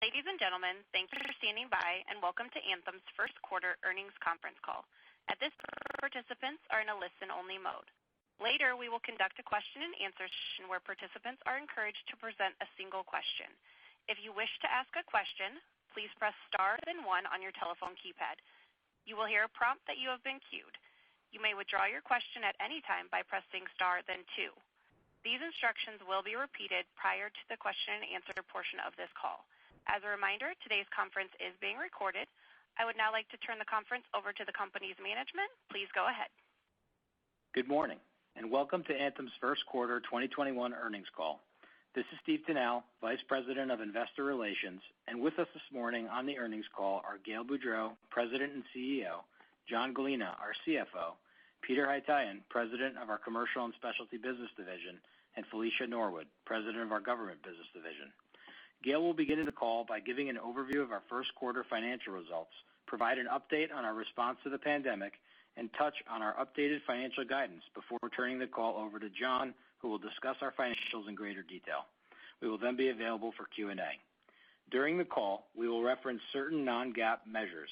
Ladies and gentlemen, thank you for standing by, and welcome to Anthem's first quarter earnings conference call. At this time, participants are in a listen-only mode. Later we will conduct a question-and-answer session where participants are encouraged to present a single question. If you wish to ask a question, please press star then one on your telephone keypad. You will hear a prompt that you have been queued. You may withdraw your question at any time by pressing star then two. These instructions will be repeated prior to the question-and-answer portion of this call. As a reminder, today's conference is being recorded. I would now like to turn the conference over to the company's management. Please go ahead. Good morning, and welcome to Anthem's first quarter 2021 earnings call. This is Steve Tanal, Vice President of Investor Relations, with us this morning on the earnings call are Gail Boudreaux, President and CEO, John Gallina, our CFO, Peter Haytaian, President of our Commercial and Specialty Business Division, and Felicia Norwood, President of our Government Business Division. Gail will begin the call by giving an overview of our first quarter financial results, provide an update on our response to COVID-19, and touch on our updated financial guidance before turning the call over to John, who will discuss our financials in greater detail. We will be available for Q&A. During the call, we will reference certain non-GAAP measures.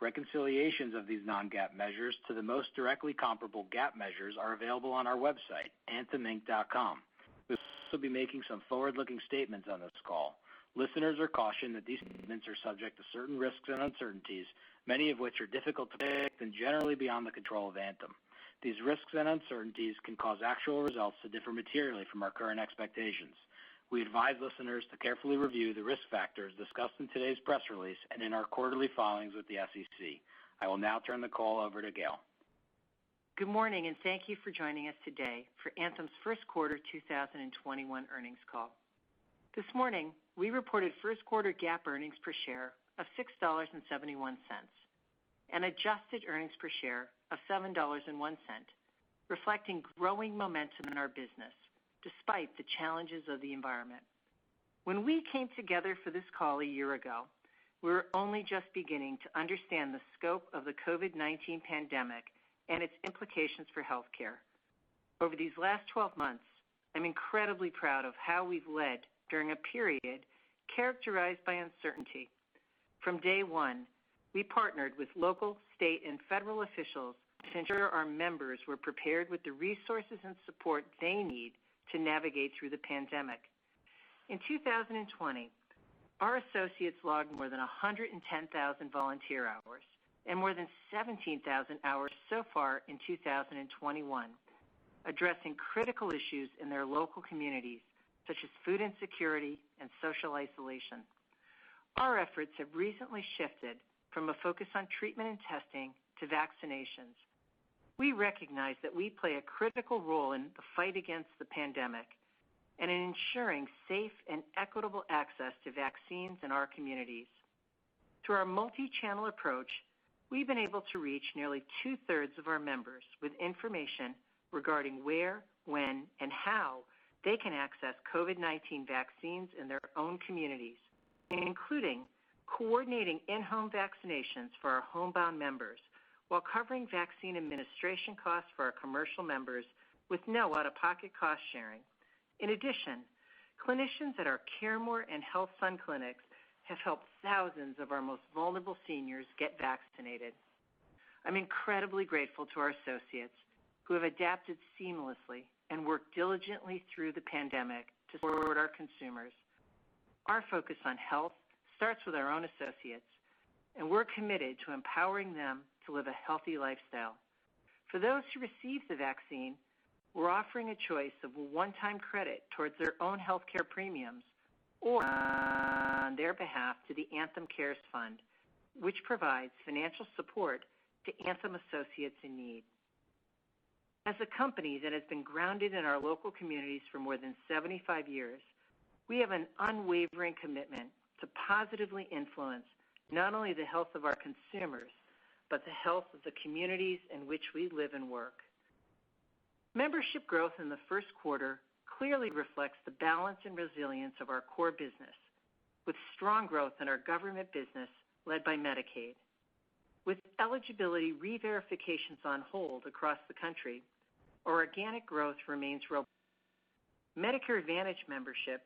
Reconciliations of these non-GAAP measures to the most directly comparable GAAP measures are available on our website, antheminc.com. We will be making some forward-looking statements on this call. Listeners are cautioned that these statements are subject to certain risks and uncertainties, many of which are difficult to predict and generally beyond the control of Anthem. These risks and uncertainties can cause actual results to differ materially from our current expectations. We advise listeners to carefully review the risk factors discussed in today's press release and in our quarterly filings with the SEC. I will now turn the call over to Gail. Good morning, and thank you for joining us today for Anthem's first quarter 2021 earnings call. This morning, we reported first quarter GAAP earnings per share of $6.71, and adjusted earnings per share of $7.01, reflecting growing momentum in our business despite the challenges of the environment. When we came together for this call a year ago, we were only just beginning to understand the scope of the COVID-19 pandemic and its implications for healthcare. Over these last 12 months, I'm incredibly proud of how we've led during a period characterized by uncertainty. From day one, we partnered with local, state, and federal officials to ensure our members were prepared with the resources and support they need to navigate through the pandemic. In 2020, our associates logged more than 110,000 volunteer hours and more than 17,000 hours so far in 2021, addressing critical issues in their local communities, such as food insecurity and social isolation. Our efforts have recently shifted from a focus on treatment and testing to vaccinations. We recognize that we play a critical role in the fight against the pandemic and in ensuring safe and equitable access to vaccines in our communities. Through our multi-channel approach, we've been able to reach nearly two-thirds of our members with information regarding where, when, and how they can access COVID-19 vaccines in their own communities, including coordinating in-home vaccinations for our homebound members while covering vaccine administration costs for our commercial members with no out-of-pocket cost sharing. In addition, clinicians at our CareMore and HealthSun clinics have helped thousands of our most vulnerable seniors get vaccinated. I'm incredibly grateful to our associates who have adapted seamlessly and worked diligently through the pandemic to support our consumers. Our focus on health starts with our own associates, and we're committed to empowering them to live a healthy lifestyle. For those who receive the vaccine, we're offering a choice of a one-time credit towards their own healthcare premiums or on their behalf to the Anthem Cares Fund, which provides financial support to Anthem associates in need. As a company that has been grounded in our local communities for more than 75 years, we have an unwavering commitment to positively influence not only the health of our consumers, but the health of the communities in which we live and work. Membership growth in the first quarter clearly reflects the balance and resilience of our core business, with strong growth in our government business led by Medicaid. With eligibility reverifications on hold across the country, our organic growth remains robust. Medicare Advantage membership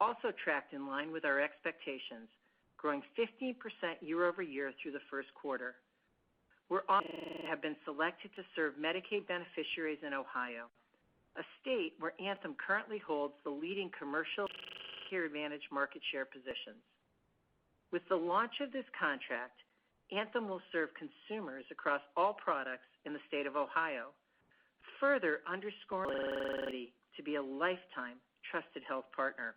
also tracked in line with our expectations, growing 15% year over year through the first quarter. We're honored to have been selected to serve Medicaid beneficiaries in Ohio, a state where Anthem currently holds the leading commercial managed care market share positions. With the launch of this contract, Anthem will serve consumers across all products in the state of Ohio, further underscoring to be a lifetime trusted health partner.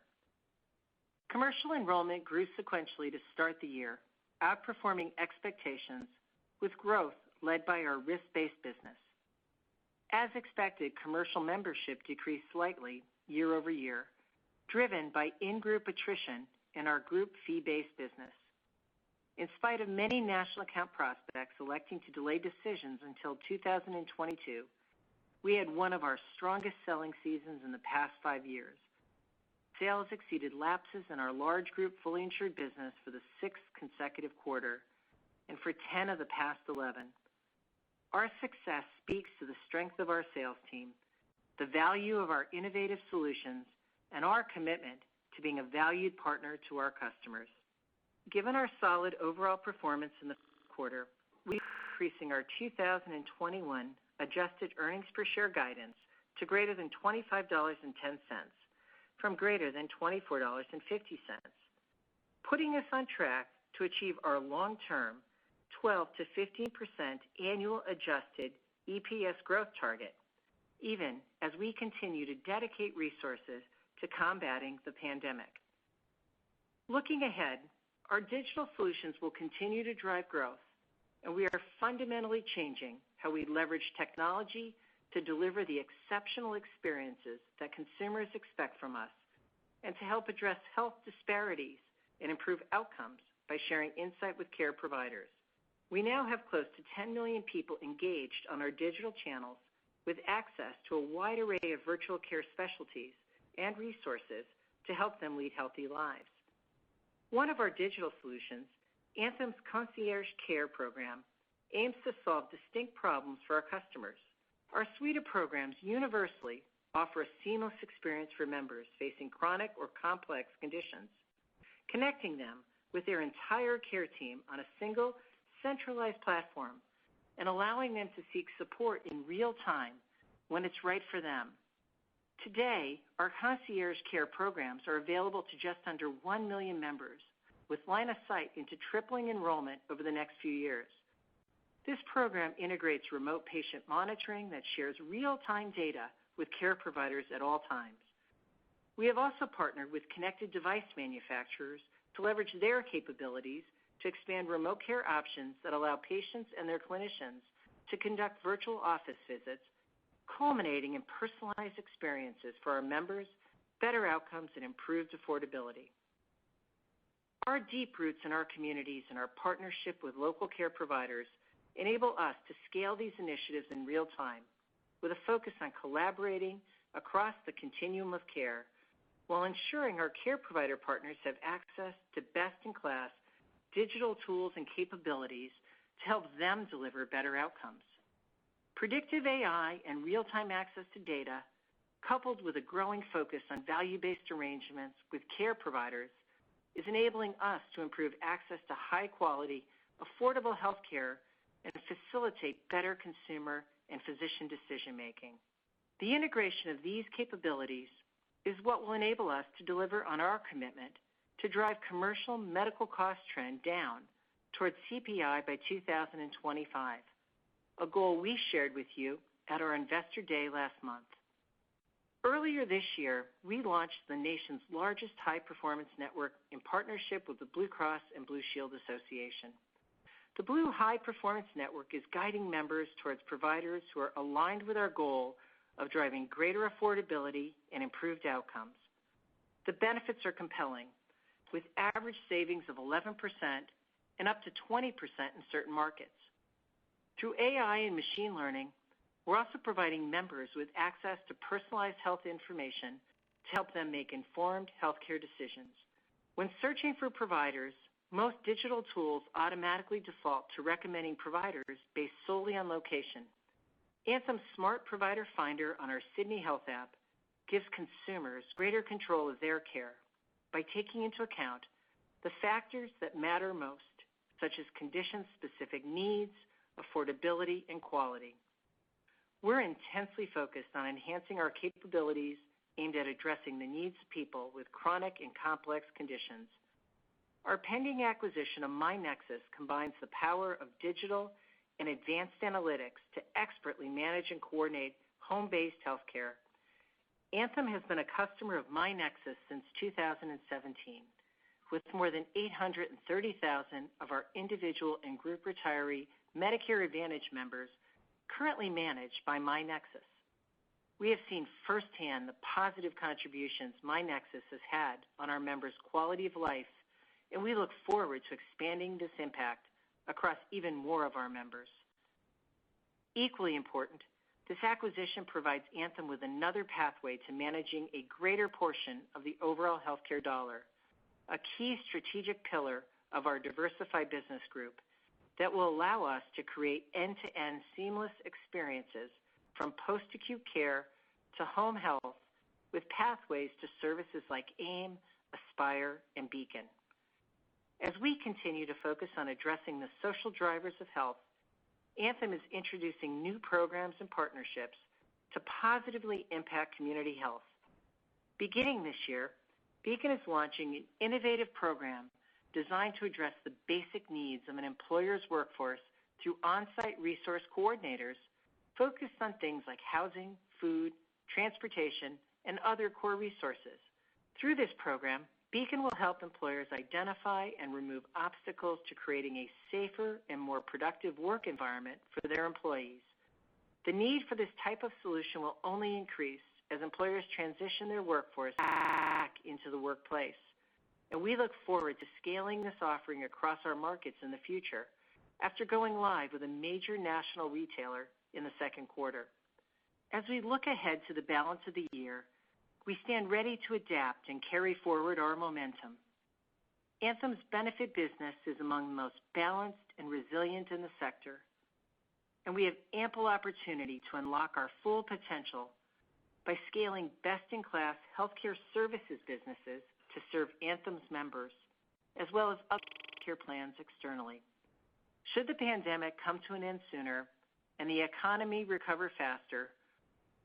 Commercial enrollment grew sequentially to start the year, outperforming expectations with growth led by our risk-based business. As expected, commercial membership decreased slightly year over year, driven by in-group attrition in our group fee-based business. In spite of many national account prospects electing to delay decisions until 2022, we had one of our strongest selling seasons in the past five years. Sales exceeded lapses in our large group fully insured business for the sixth consecutive quarter and for 10 of the past 11. Our success speaks to the strength of our sales team, the value of our innovative solutions, and our commitment to being a valued partner to our customers. Given our solid overall performance in the quarter, we are increasing our 2021 adjusted earnings per share guidance to greater than $25.10 from greater than $24.50. Putting us on track to achieve our long-term 12%-15% annual adjusted EPS growth target, even as we continue to dedicate resources to combating the pandemic. Looking ahead, our digital solutions will continue to drive growth, and we are fundamentally changing how we leverage technology to deliver the exceptional experiences that consumers expect from us, and to help address health disparities and improve outcomes by sharing insight with care providers. We now have close to 10 million people engaged on our digital channels with access to a wide array of virtual care specialties and resources to help them lead healthy lives. One of our digital solutions, Anthem's Concierge Care program, aims to solve distinct problems for our customers. Our suite of programs universally offer a seamless experience for members facing chronic or complex conditions. Connecting them with their entire care team on a single centralized platform and allowing them to seek support in real time when it's right for them. Today, our Concierge Care programs are available to just under 1 million members, with line of sight into tripling enrollment over the next few years. This program integrates remote patient monitoring that shares real time data with care providers at all times. We have also partnered with connected device manufacturers to leverage their capabilities to expand remote care options that allow patients and their clinicians to conduct virtual office visits, culminating in personalized experiences for our members, better outcomes, and improved affordability. Our deep roots in our communities and our partnership with local care providers enable us to scale these initiatives in real time with a focus on collaborating across the continuum of care while ensuring our care provider partners have access to best in class digital tools and capabilities to help them deliver better outcomes. Predictive AI and real time access to data, coupled with a growing focus on value-based arrangements with care providers, is enabling us to improve access to high quality, affordable healthcare and facilitate better consumer and physician decision-making. The integration of these capabilities is what will enable us to deliver on our commitment to drive commercial medical cost trend down towards CPI by 2025, a goal we shared with you at our Investor Day last month. Earlier this year, we launched the nation's largest high performance network in partnership with the Blue Cross Blue Shield Association. The Blue High Performance Network is guiding members towards providers who are aligned with our goal of driving greater affordability and improved outcomes. The benefits are compelling, with average savings of 11%-20% in certain markets. Through AI and machine learning, we're also providing members with access to personalized health information to help them make informed healthcare decisions. When searching for providers, most digital tools automatically default to recommending providers based solely on location. Anthem's Smart Provider Finder on our Sydney Health app gives consumers greater control of their care by taking into account the factors that matter most, such as condition-specific needs, affordability, and quality. We're intensely focused on enhancing our capabilities aimed at addressing the needs of people with chronic and complex conditions. Our pending acquisition of myNEXUS combines the power of digital and advanced analytics to expertly manage and coordinate home-based healthcare. Anthem has been a customer of myNEXUS since 2017, with more than 830,000 of our individual and group retiree Medicare Advantage members currently managed by myNEXUS. We have seen firsthand the positive contributions myNEXUS has had on our members' quality of life, and we look forward to expanding this impact across even more of our members. Equally important, this acquisition provides Anthem with another pathway to managing a greater portion of the overall healthcare dollar. A key strategic pillar of our Diversified Business Group that will allow us to create end-to-end seamless experiences from post-acute care to home health, with pathways to services like AIM, Aspire, and Beacon. As we continue to focus on addressing the social drivers of health, Anthem is introducing new programs and partnerships to positively impact community health. Beginning this year, Beacon is launching an innovative program designed to address the basic needs of an employer's workforce through on-site resource coordinators focused on things like housing, food, transportation, and other core resources. Through this program, Beacon will help employers identify and remove obstacles to creating a safer and more productive work environment for their employees. The need for this type of solution will only increase as employers transition their workforce back into the workplace, and we look forward to scaling this offering across our markets in the future after going live with a major national retailer in the second quarter. As we look ahead to the balance of the year, we stand ready to adapt and carry forward our momentum. Anthem's benefit business is among the most balanced and resilient in the sector, and we have ample opportunity to unlock our full potential by scaling best-in-class healthcare services businesses to serve Anthem's members, as well as other care plans externally. Should the pandemic come to an end sooner and the economy recover faster,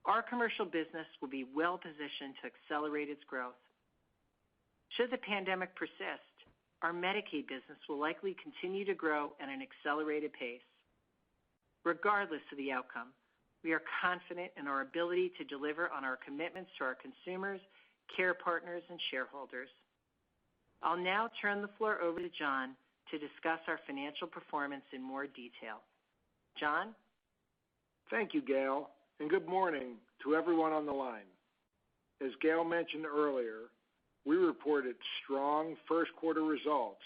our commercial business will be well-positioned to accelerate its growth. Should the pandemic persist, our Medicaid business will likely continue to grow at an accelerated pace. Regardless of the outcome, we are confident in our ability to deliver on our commitments to our consumers, care partners, and shareholders. I'll now turn the floor over to John to discuss our financial performance in more detail. John? Thank you, Gail, and good morning to everyone on the line. As Gail mentioned earlier, we reported strong first quarter results,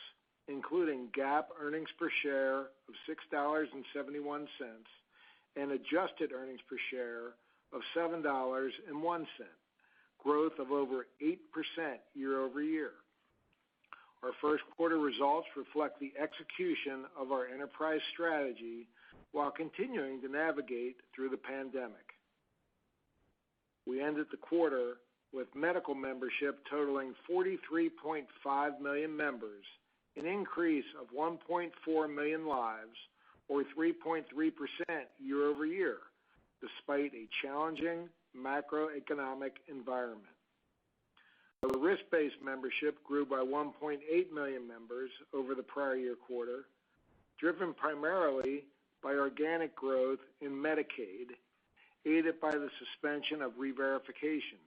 including GAAP earnings per share of $6.71, and adjusted earnings per share of $7.01, growth of over 8% year-over-year. Our first quarter results reflect the execution of our enterprise strategy while continuing to navigate through the pandemic. We ended the quarter with medical membership totaling 43.5 million members, an increase of 1.4 million lives or 3.3% year-over-year, despite a challenging macroeconomic environment. Our risk-based membership grew by 1.8 million members over the prior year quarter, driven primarily by organic growth in Medicaid, aided by the suspension of reverifications.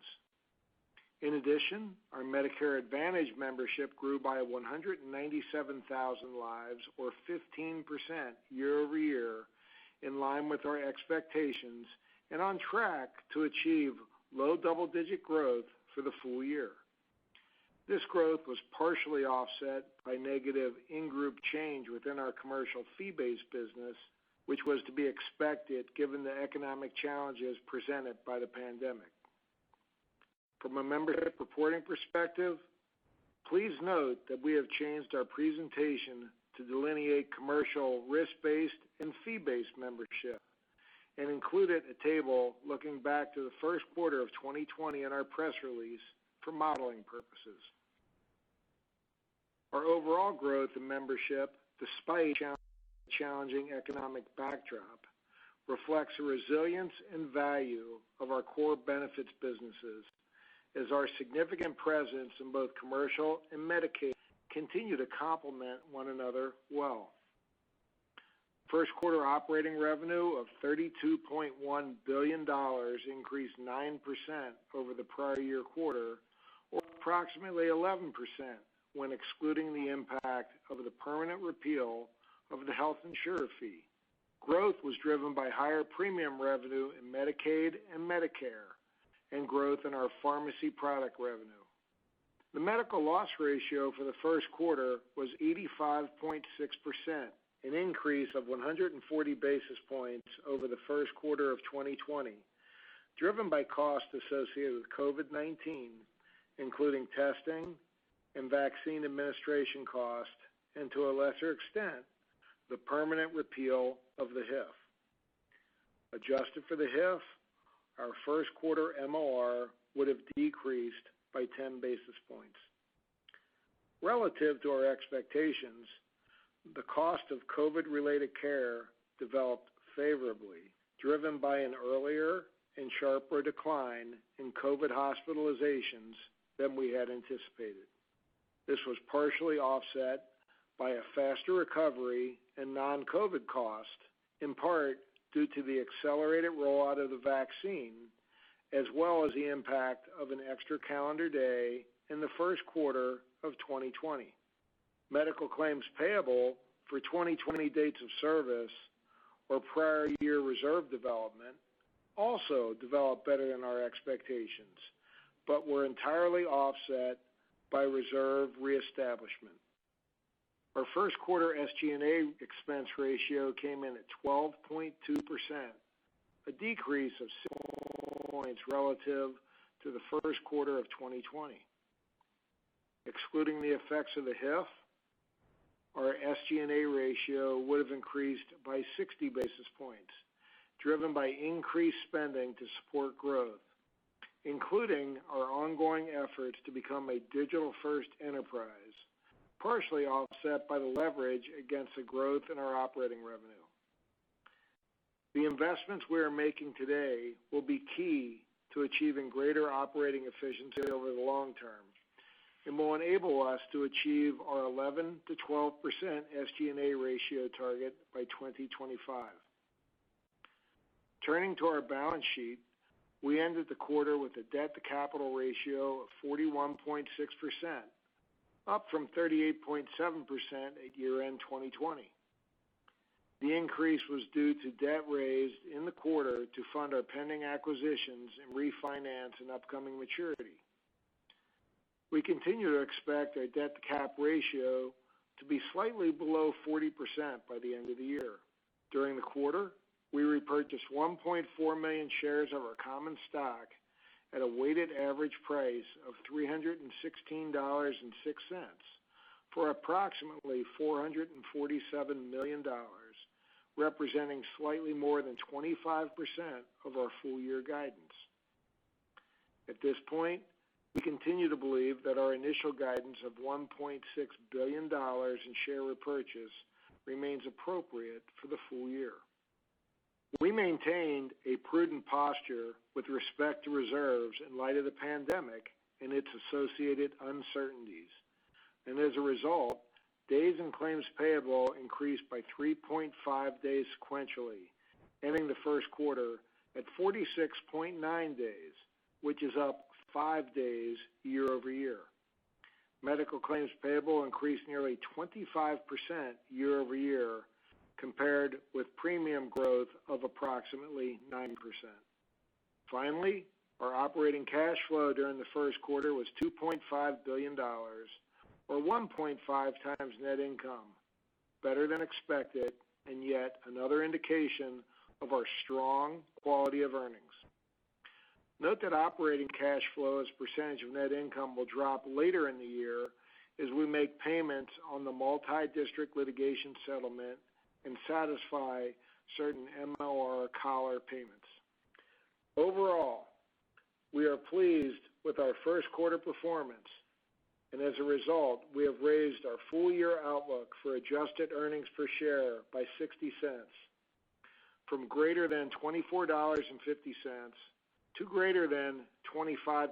Our Medicare Advantage membership grew by 197,000 lives or 15% year-over-year, in line with our expectations and on track to achieve low double-digit growth for the full year. This growth was partially offset by negative in-group change within our commercial fee-based business, which was to be expected given the economic challenges presented by the pandemic. From a membership reporting perspective, please note that we have changed our presentation to delineate commercial risk-based and fee-based membership and included a table looking back to the first quarter of 2020 in our press release for modeling purposes. Our overall growth in membership, despite a challenging economic backdrop, reflects the resilience and value of our core benefits businesses as our significant presence in both commercial and Medicaid continue to complement one another well. First quarter operating revenue of $32.1 billion increased 9% over the prior year quarter or approximately 11% when excluding the impact of the permanent repeal of the Health Insurance Fee. Growth was driven by higher premium revenue in Medicaid and Medicare and growth in our pharmacy product revenue. The medical loss ratio for the first quarter was 85.6%, an increase of 140 basis points over the first quarter of 2020, driven by costs associated with COVID-19, including testing and vaccine administration costs, and to a lesser extent, the permanent repeal of the HIF. Adjusted for the HIF, our first quarter MLR would have decreased by 10 basis points. Relative to our expectations, the cost of COVID-related care developed favorably, driven by an earlier and sharper decline in COVID hospitalizations than we had anticipated. This was partially offset by a faster recovery in non-COVID costs, in part due to the accelerated rollout of the vaccine, as well as the impact of an extra calendar day in the first quarter of 2020. Medical claims payable for 2020 dates of service or prior year reserve development also developed better than our expectations but were entirely offset by reserve reestablishment. Our first quarter SG&A expense ratio came in at 12.2%, a decrease of six points relative to the first quarter of 2020. Excluding the effects of the HIF, our SG&A ratio would have increased by 60 basis points, driven by increased spending to support growth, including our ongoing efforts to become a digital-first enterprise, partially offset by the leverage against the growth in our operating revenue. The investments we are making today will be key to achieving greater operating efficiency over the long term and will enable us to achieve our 11%-12% SG&A ratio target by 2025. Turning to our balance sheet, we ended the quarter with a debt-to-capital ratio of 41.6%, up from 38.7% at year-end 2020. The increase was due to debt raised in the quarter to fund our pending acquisitions and refinance an upcoming maturity. We continue to expect a debt-to-cap ratio to be slightly below 40% by the end of the year. During the quarter, we repurchased 1.4 million shares of our common stock at a weighted average price of $316.06 for approximately $447 million, representing slightly more than 25% of our full-year guidance. At this point, we continue to believe that our initial guidance of $1.6 billion in share repurchase remains appropriate for the full year. We maintained a prudent posture with respect to reserves in light of the pandemic and its associated uncertainties. As a result, days in claims payable increased by 3.5 days sequentially, ending the first quarter at 46.9 days, which is up five days year-over-year. Medical claims payable increased nearly 25% year-over-year compared with premium growth of approximately 9%. Finally, our operating cash flow during the first quarter was $2.5 billion or 1.5 times net income, better than expected, and yet another indication of our strong quality of earnings. Note that operating cash flow as a percentage of net income will drop later in the year as we make payments on the multi-district litigation settlement and satisfy certain MLR collar payments. Overall, we are pleased with our first quarter performance, and as a result, we have raised our full-year outlook for adjusted earnings per share by $0.60 from greater than $24.50 to greater than $25.10.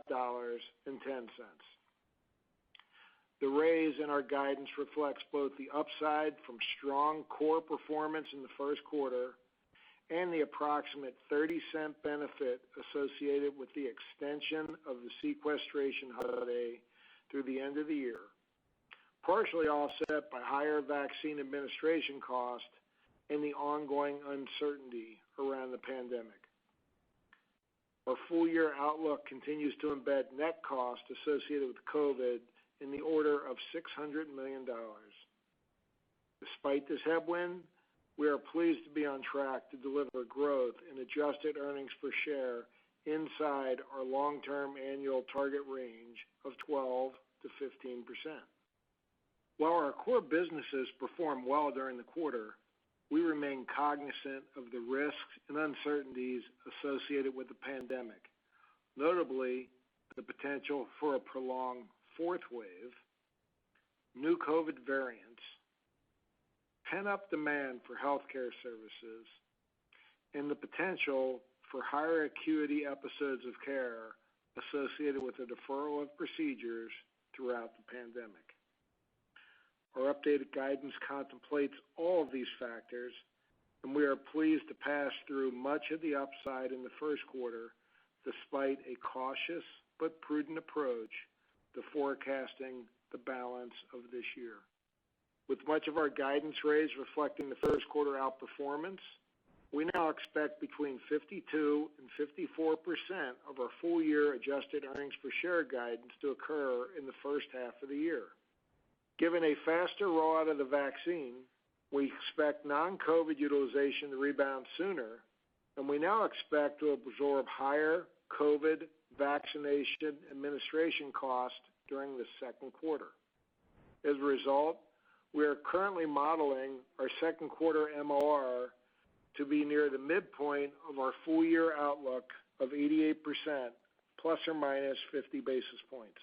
The raise in our guidance reflects both the upside from strong core performance in the first quarter and the approximate $0.30 benefit associated with the extension of the sequestration holiday through the end of the year, partially offset by higher vaccine administration cost and the ongoing uncertainty around the pandemic. Our full-year outlook continues to embed net cost associated with COVID in the order of $600 million. Despite this headwind, we are pleased to be on track to deliver growth in adjusted earnings per share inside our long-term annual target range of 12%-15%. While our core businesses performed well during the quarter, we remain cognizant of the risks and uncertainties associated with the pandemic. Notably, the potential for a prolonged fourth wave, new COVID variants, pent-up demand for healthcare services, and the potential for higher acuity episodes of care associated with the deferral of procedures throughout the pandemic. Our updated guidance contemplates all of these factors, and we are pleased to pass through much of the upside in the first quarter despite a cautious but prudent approach to forecasting the balance of this year. With much of our guidance raise reflecting the first quarter outperformance, we now expect between 52% and 54% of our full-year adjusted earnings per share guidance to occur in the first half of the year. Given a faster roll out of the vaccine, we expect non-COVID utilization to rebound sooner, we now expect to absorb higher COVID vaccination administration cost during the second quarter. As a result, we are currently modeling our second quarter MLR to be near the midpoint of our full-year outlook of 88% ± 50 basis points.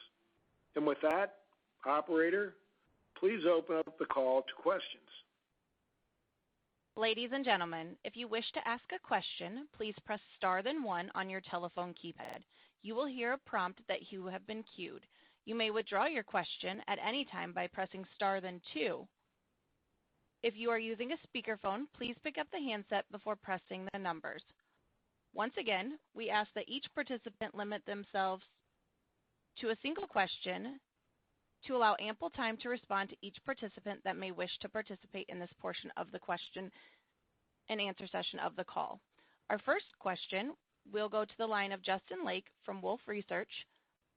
With that, operator, please open up the call to questions. Our first question will go to the line of Justin Lake from Wolfe Research.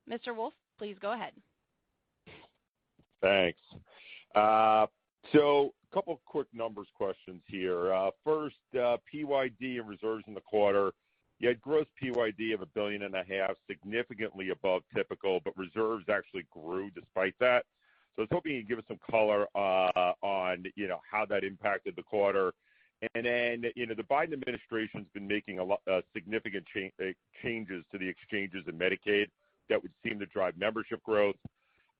Mr. Lake, please go ahead. Thanks. A couple quick numbers questions here. First, PYD and reserves in the quarter. You had gross PYD of a billion and a half, significantly above typical, reserves actually grew despite that. I was hoping you'd give us some color on how that impacted the quarter. The Biden administration's been making significant changes to the exchanges in Medicaid that would seem to drive membership growth.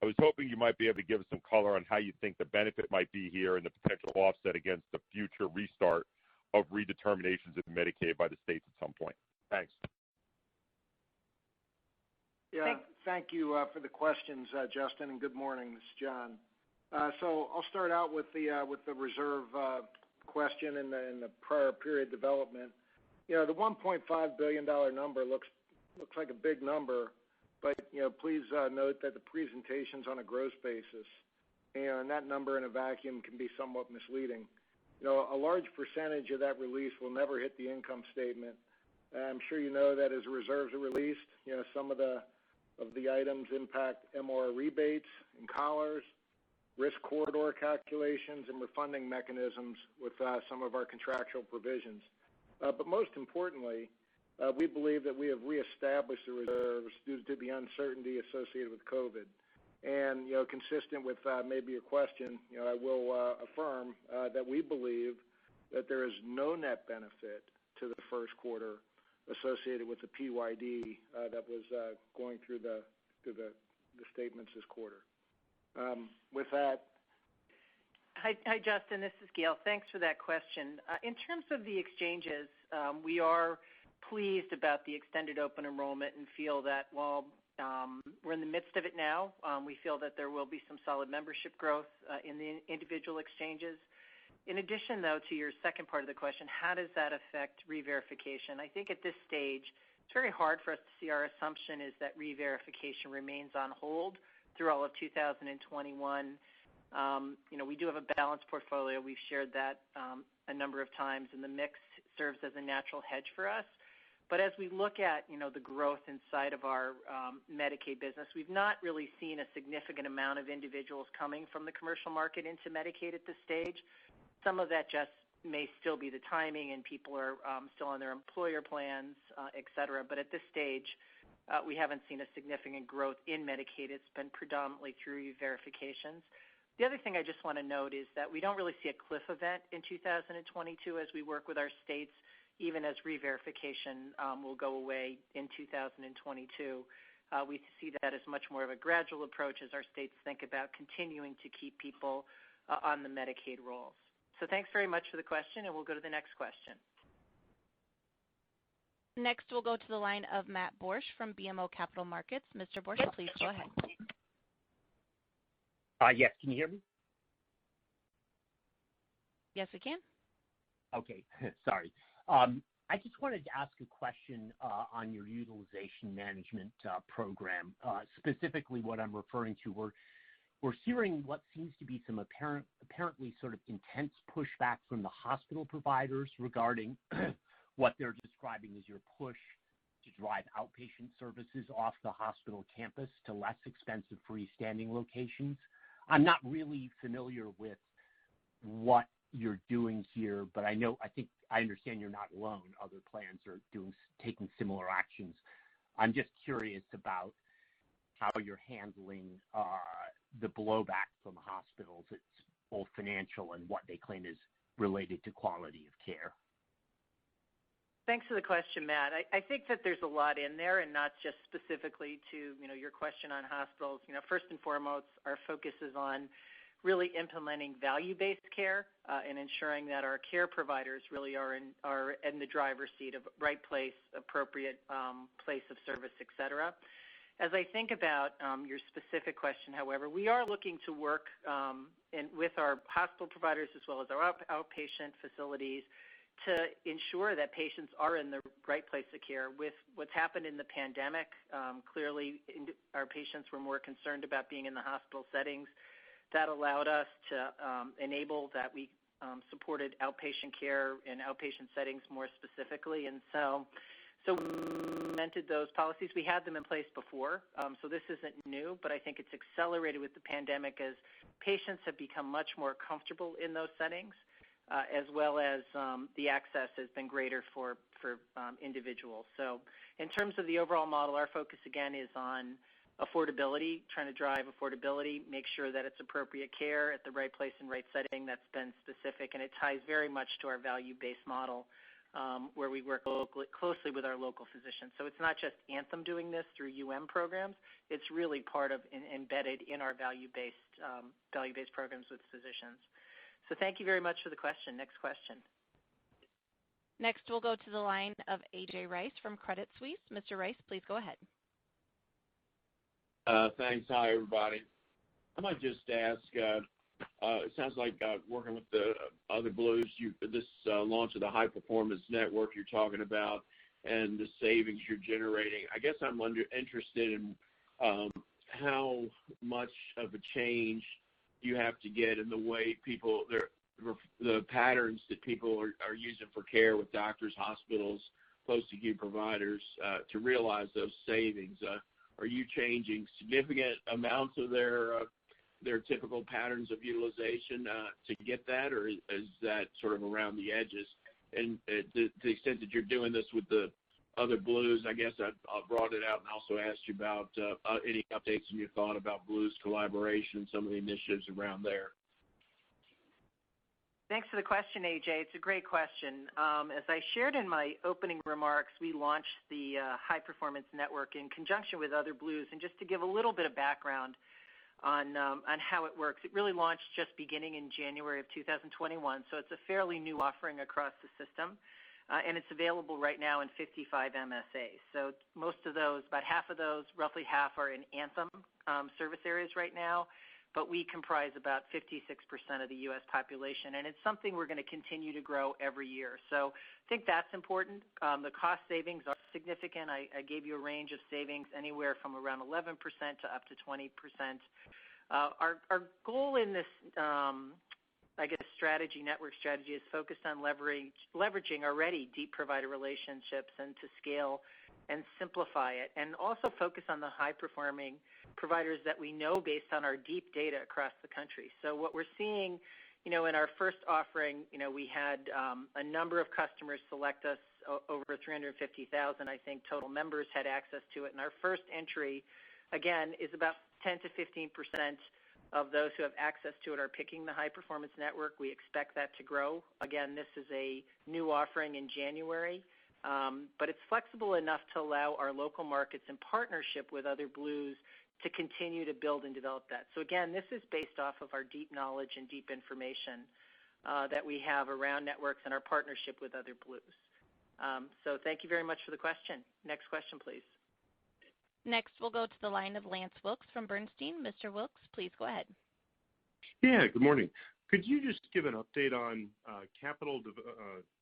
I was hoping you might be able to give us some color on how you think the benefit might be here and the potential offset against the future restart of redeterminations of Medicaid by the states at some point. Thanks. Yeah. Thank you for the questions, Justin, and good morning. This is John. I'll start out with the reserve question and the prior period development. The $1.5 billion number looks like a big number, but please note that the presentation's on a gross basis, and that number in a vacuum can be somewhat misleading. A large percentage of that release will never hit the income statement. I'm sure you know that as reserves are released, some of the items impact MLR rebates and collars, risk corridor calculations, and refunding mechanisms with some of our contractual provisions. Most importantly, we believe that we have re-established the reserves due to the uncertainty associated with COVID. Consistent with a maybe a question, I will affirm that we believe that there is no net benefit to the first quarter associated with the PYD that was going through the statements this quarter. With that. Hi, Justin. This is Gail. Thanks for that question. In terms of the exchanges, we are pleased about the extended open enrollment and feel that while we're in the midst of it now, we feel that there will be some solid membership growth in the individual exchanges. In addition, though, to your second part of the question, how does that affect reverification? I think at this stage, it's very hard for us to see. Our assumption is that reverification remains on hold through all of 2021. We do have a balanced portfolio. We've shared that a number of times, and the mix serves as a natural hedge for us. As we look at the growth inside of our Medicaid business, we've not really seen a significant amount of individuals coming from the commercial market into Medicaid at this stage. Some of that just may still be the timing, and people are still on their employer plans, et cetera. At this stage, we haven't seen a significant growth in Medicaid. It's been predominantly through reverifications. The other thing I just want to note is that we don't really see a cliff event in 2022 as we work with our states, even as reverification will go away in 2022. We see that as much more of a gradual approach as our states think about continuing to keep people on the Medicaid rolls. Thanks very much for the question, and we'll go to the next question. Next, we'll go to the line of Matt Borsch from BMO Capital Markets. Mr. Borsch, please go ahead. Yes. Can you hear me? Yes, we can. Okay. Sorry. I just wanted to ask a question on your utilization management program. Specifically what I'm referring to, we're hearing what seems to be some apparently sort of intense pushback from the hospital providers regarding what they're describing as your push to drive outpatient services off the hospital campus to less expensive freestanding locations. I'm not really familiar with what you're doing here. I think I understand you're not alone. Other plans are taking similar actions. I'm just curious about how you're handling the blowback from hospitals. It's both financial and what they claim is related to quality of care. Thanks for the question, Matt. I think that there's a lot in there, and not just specifically to your question on hospitals. First and foremost, our focus is on really implementing value-based care and ensuring that our care providers really are in the driver's seat of right place, appropriate place of service, et cetera. As I think about your specific question, however, we are looking to work with our hospital providers as well as our outpatient facilities to ensure that patients are in the right place of care. With what's happened in the pandemic, clearly, our patients were more concerned about being in the hospital settings. That allowed us to enable that we supported outpatient care and outpatient settings more specifically, and so we implemented those policies. We had them in place before, so this isn't new, but I think it's accelerated with the pandemic as patients have become much more comfortable in those settings, as well as the access has been greater for individuals. In terms of the overall model, our focus again is on affordability, trying to drive affordability, make sure that it's appropriate care at the right place and right setting that's been specific, and it ties very much to our value-based model, where we work closely with our local physicians. It's not just Anthem doing this through UM programs. It's really part of embedded in our value-based programs with physicians. Thank you very much for the question. Next question. Next, we'll go to the line of A.J. Rice from Credit Suisse. Mr. Rice, please go ahead. Thanks. Hi, everybody. I might just ask, it sounds like working with the other Blues, this launch of the Blue High Performance Network you're talking about and the savings you're generating. I guess I'm interested in how much of a change you have to get in the patterns that people are using for care with doctors, hospitals, post-acute providers to realize those savings. Are you changing significant amounts of their typical patterns of utilization to get that, or is that sort of around the edges? To the extent that you're doing this with the other Blues, I guess, I broaden it out and also asked you about any updates, and you thought about Blues collaboration and some of the initiatives around there. Thanks for the question, A.J. It's a great question. As I shared in my opening remarks, we launched the High Performance Network in conjunction with other Blues. Just to give a little bit of background on how it works, it really launched just beginning in January of 2021. It's a fairly new offering across the system. It's available right now in 55 MSAs. Most of those, about half of those, roughly half are in Anthem service areas right now. We comprise about 56% of the U.S. population. It's something we're going to continue to grow every year. I think that's important. The cost savings are significant. I gave you a range of savings anywhere from around 11% to up to 20%. Our goal in this, I guess, network strategy is focused on leveraging already deep provider relationships and to scale and simplify it, and also focus on the high-performing providers that we know based on our deep data across the country. What we're seeing in our first offering, we had a number of customers select us, over 350,000, I think total members had access to it. Our first entry, again, is about 10%-15% of those who have access to it are picking the High Performance Network. We expect that to grow. Again, this is a new offering in January. It's flexible enough to allow our local markets in partnership with other Blues to continue to build and develop that. Again, this is based off of our deep knowledge and deep information that we have around networks and our partnership with other Blues. Thank you very much for the question. Next question, please. Next, we'll go to the line of Lance Wilkes from Bernstein. Mr. Wilkes, please go ahead. Yeah. Good morning. Could you just give an update on capital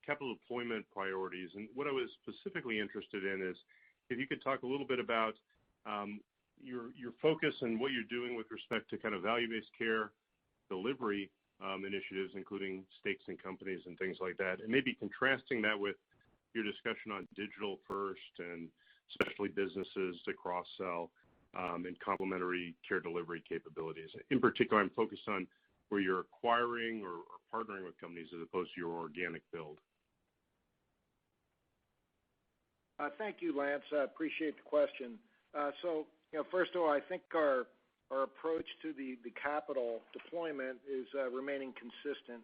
deployment priorities? What I was specifically interested in is if you could talk a little bit about your focus and what you're doing with respect to value-based care delivery initiatives, including stakes in companies and things like that, and maybe contrasting that with your discussion on digital first and especially businesses that cross-sell in complementary care delivery capabilities. In particular, I'm focused on where you're acquiring or partnering with companies as opposed to your organic build. Thank you, Lance. I appreciate the question. First of all, I think our approach to the capital deployment is remaining consistent,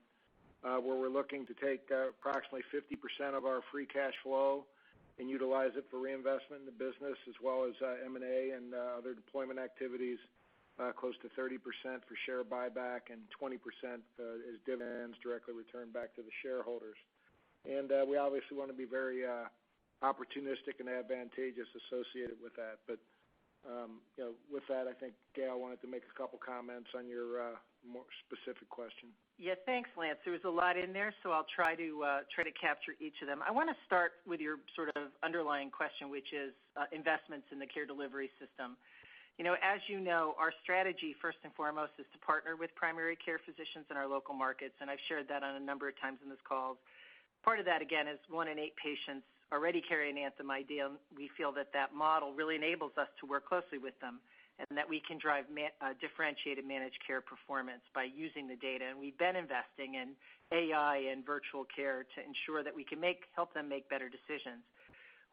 where we're looking to take approximately 50% of our free cash flow and utilize it for reinvestment in the business as well as M&A and other deployment activities, close to 30% for share buyback, and 20% as dividends directly returned back to the shareholders. We obviously want to be very opportunistic and advantageous associated with that. With that, I think Gail wanted to make a couple of comments on your more specific question. Yes, thanks, Lance. There was a lot in there, so I'll try to capture each of them. I want to start with your sort of underlying question, which is investments in the care delivery system. As you know, our strategy, first and foremost, is to partner with primary care physicians in our local markets, and I've shared that on a number of times in these calls. Part of that, again, is one in eight patients already carry an Anthem ID, and we feel that that model really enables us to work closely with them, and that we can drive differentiated managed care performance by using the data. We've been investing in AI and virtual care to ensure that we can help them make better decisions.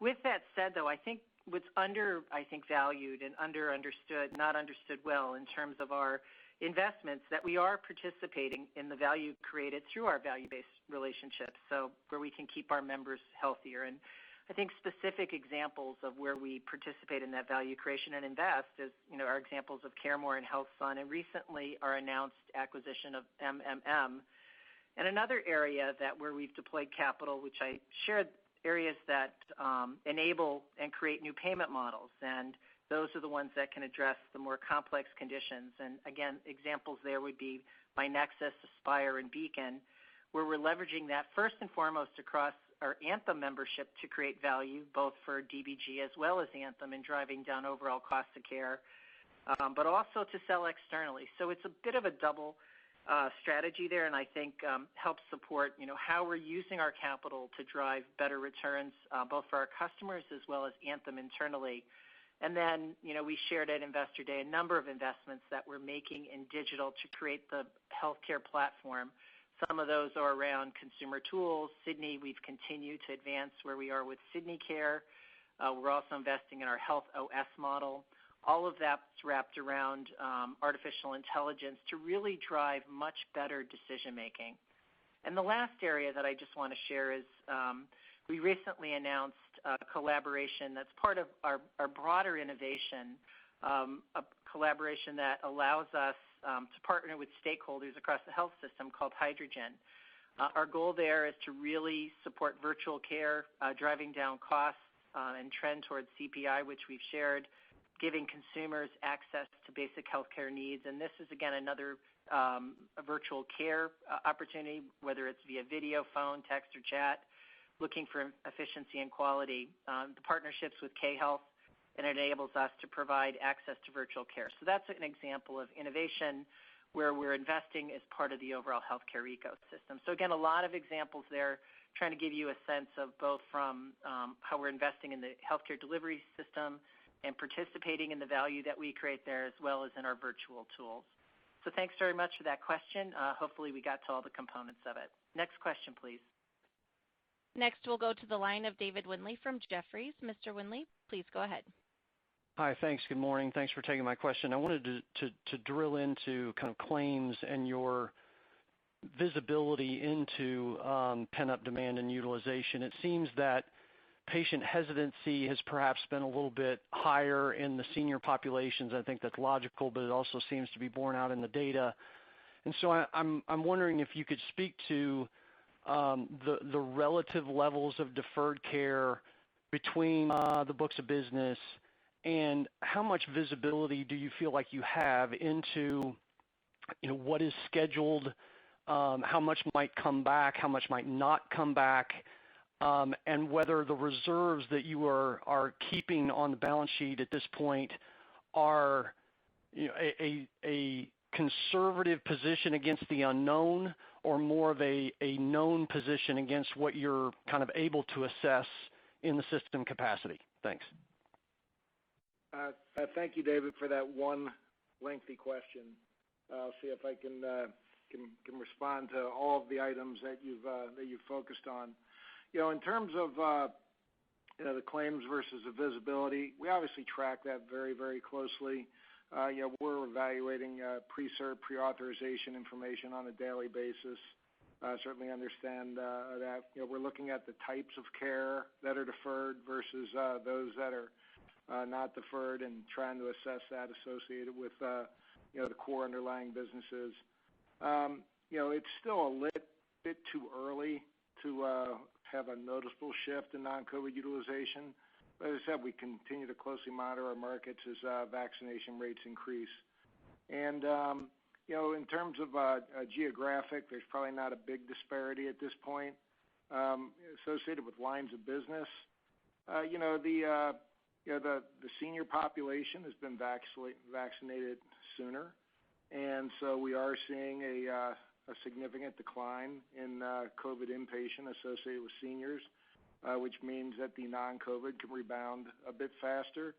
With that said, though, I think what's undervalued and under-understood, not understood well in terms of our investments, that we are participating in the value created through our value-based relationships, so where we can keep our members healthier. I think specific examples of where we participate in that value creation and invest is our examples of CareMore and HealthSun, and recently our announced acquisition of MMM. Another area where we've deployed capital, which I shared, areas that enable and create new payment models, and those are the ones that can address the more complex conditions. Again, examples there would be myNEXUS, Aspire, and Beacon, where we're leveraging that first and foremost across our Anthem membership to create value, both for DBG as well as Anthem in driving down overall cost of care, but also to sell externally. It's a bit of a double strategy there, and I think helps support how we're using our capital to drive better returns, both for our customers as well as Anthem internally. We shared at Investor Day a number of investments that we're making in digital to create the healthcare platform. Some of those are around consumer tools. Sydney, we've continued to advance where we are with Sydney Care. We're also investing in our Health OS model. All of that's wrapped around artificial intelligence to really drive much better decision-making. The last area that I just want to share is we recently announced a collaboration that's part of our broader innovation, a collaboration that allows us to partner with stakeholders across the health system called Hydrogen. Our goal there is to really support virtual care, driving down costs and trend towards CPI, which we've shared, giving consumers access to basic healthcare needs. This is again, another virtual care opportunity, whether it's via video, phone, text, or chat, looking for efficiency and quality. The partnerships with K Health, it enables us to provide access to virtual care. That's an example of innovation where we're investing as part of the overall healthcare ecosystem. Again, a lot of examples there, trying to give you a sense of both from how we're investing in the healthcare delivery system and participating in the value that we create there, as well as in our virtual tools. Thanks very much for that question. Hopefully, we got to all the components of it. Next question, please. Next, we'll go to the line of David Windley from Jefferies. Mr. Windley, please go ahead. Hi. Thanks. Good morning. Thanks for taking my question. I wanted to drill into claims and your visibility into pent-up demand and utilization. It seems that patient hesitancy has perhaps been a little bit higher in the senior populations. I think that's logical, but it also seems to be borne out in the data. I'm wondering if you could speak to the relative levels of deferred care between the books of business, and how much visibility do you feel like you have into what is scheduled, how much might come back, how much might not come back? Whether the reserves that you are keeping on the balance sheet at this point are a conservative position against the unknown or more of a known position against what you're kind of able to assess in the system capacity? Thanks. Thank you, David, for that one lengthy question. I'll see if I can respond to all of the items that you've focused on. In terms of the claims versus the visibility, we obviously track that very closely. We're evaluating pre-authorization information on a daily basis. Certainly understand that we're looking at the types of care that are deferred versus those that are not deferred, and trying to assess that associated with the core underlying businesses. It's still a bit too early to have a noticeable shift in non-COVID utilization. As I said, we continue to closely monitor our markets as vaccination rates increase. In terms of geographic, there's probably not a big disparity at this point associated with lines of business. The senior population has been vaccinated sooner, we are seeing a significant decline in COVID inpatient associated with seniors, which means that the non-COVID could rebound a bit faster.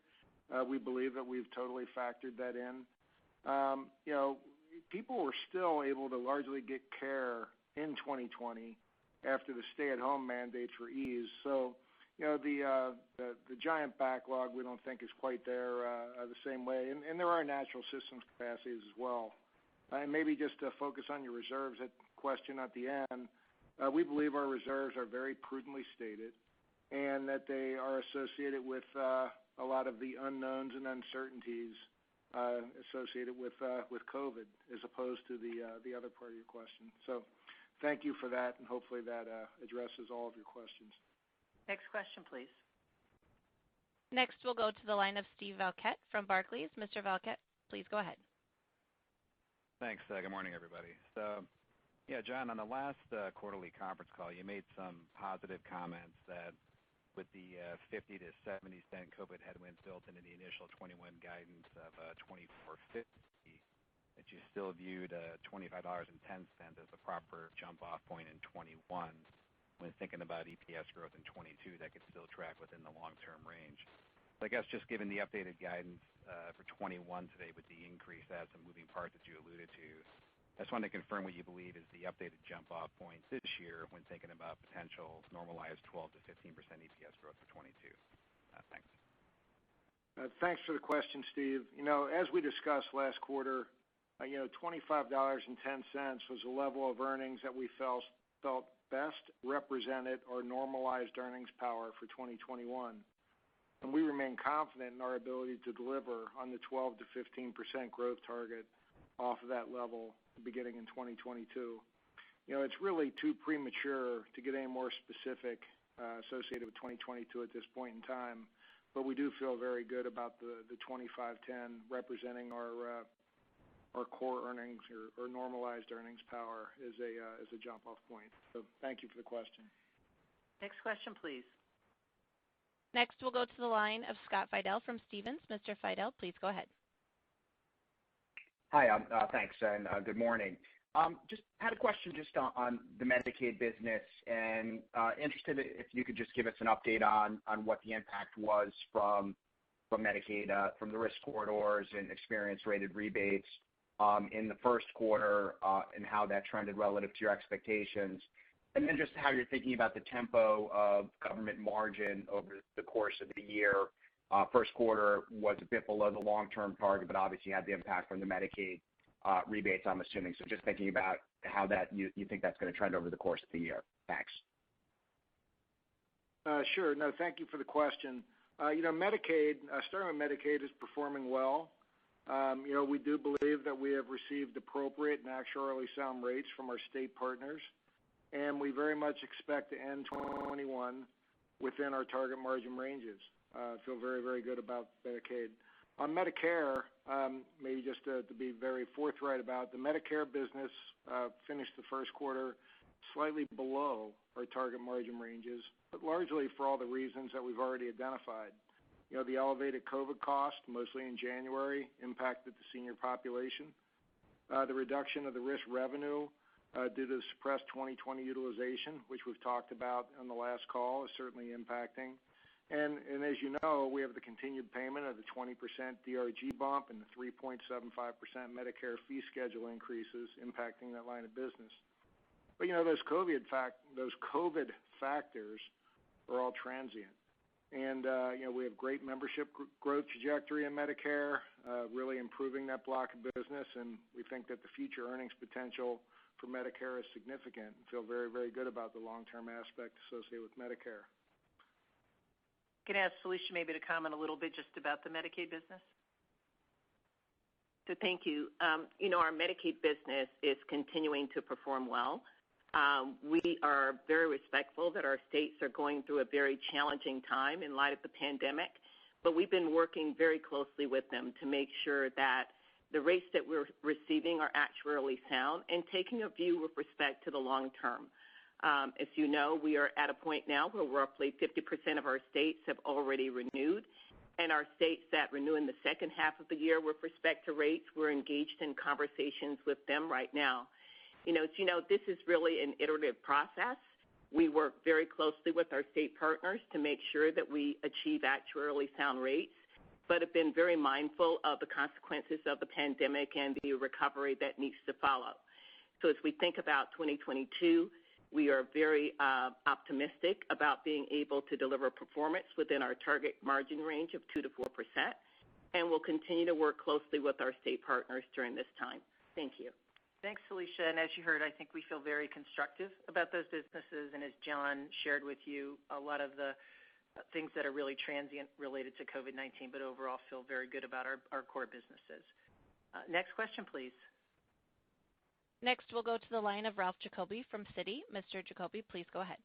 We believe that we've totally factored that in. People were still able to largely get care in 2020 after the stay-at-home mandates were eased. The giant backlog we don't think is quite there the same way. There are natural systems capacities as well. Maybe just to focus on your reserves question at the end, we believe our reserves are very prudently stated, and that they are associated with a lot of the unknowns and uncertainties associated with COVID as opposed to the other part of your question. Thank you for that, and hopefully that addresses all of your questions. Next question, please. Next, we'll go to the line of Steve Valiquette from Barclays. Mr. Valiquette, please go ahead. Thanks. Good morning, everybody. Yeah, John, on the last quarterly conference call, you made some positive comments that with the $0.50-$0.70 COVID headwind built into the initial 2021 guidance of $24.50, that you still viewed a $25.10 as the proper jump-off point in 2021 when thinking about EPS growth in 2022, that could still track within the long-term range. I just wanted to confirm what you believe is the updated jump-off points this year when thinking about potential normalized 12%-15% EPS growth for 2022. Thanks. Thanks for the question, Steve. As we discussed last quarter, $25.10 was the level of earnings that we felt best represented our normalized earnings power for 2021. We remain confident in our ability to deliver on the 12%-15% growth target off of that level beginning in 2022. It's really too premature to get any more specific associated with 2022 at this point in time, but we do feel very good about the $25.10 representing our core earnings or normalized earnings power as a jump-off point. Thank you for the question. Next question, please. Next, we'll go to the line of Scott Fidel from Stephens. Mr. Fidel, please go ahead. Hi. Thanks, good morning. Just had a question just on the Medicaid business, interested if you could just give us an update on what the impact was from Medicaid, from the risk corridors, and experience-rated rebates in the first quarter, and how that trended relative to your expectations. Then just how you're thinking about the tempo of government margin over the course of the year. First quarter was a bit below the long-term target, obviously had the impact from the Medicaid rebates, I'm assuming. Just thinking about how you think that's going to trend over the course of the year. Thanks. Sure. No, thank you for the question. Starting with Medicaid, it's performing well. We do believe that we have received appropriate and actuarially sound rates from our state partners, and we very much expect to end 2021 within our target margin ranges. Feel very good about Medicaid. On Medicare, maybe just to be very forthright about the Medicare business finished the first quarter slightly below our target margin ranges, but largely for all the reasons that we've already identified. The elevated COVID cost, mostly in January, impacted the senior population. The reduction of the risk revenue due to suppressed 2020 utilization, which we've talked about on the last call, is certainly impacting. As you know, we have the continued payment of the 20% DRG bump and the 3.75% Medicare fee schedule increases impacting that line of business. Those COVID factors are all transient. We have great membership growth trajectory in Medicare, really improving that block of business, and we think that the future earnings potential for Medicare is significant and feel very good about the long-term aspect associated with Medicare. Can I ask Felicia maybe to comment a little bit just about the Medicaid business? Thank you. Our Medicaid business is continuing to perform well. We are very respectful that our states are going through a very challenging time in light of the pandemic. We've been working very closely with them to make sure that the rates that we're receiving are actuarially sound and taking a view with respect to the long term. As you know, we are at a point now where roughly 50% of our states have already renewed, and our states that renew in the second half of the year with respect to rates, we're engaged in conversations with them right now. As you know, this is really an iterative process. We work very closely with our state partners to make sure that we achieve actuarially sound rates, but have been very mindful of the consequences of the pandemic and the recovery that needs to follow. As we think about 2022, we are very optimistic about being able to deliver performance within our target margin range of 2% to 4%, and we'll continue to work closely with our state partners during this time. Thank you. Thanks, Felicia. As you heard, I think we feel very constructive about those businesses, and as John shared with you, a lot of the things that are really transient related to COVID-19, but overall feel very good about our core businesses. Next question, please. Next, we'll go to the line of Ralph Giacobbe from Citi. Mr. Giacobbe, please go ahead.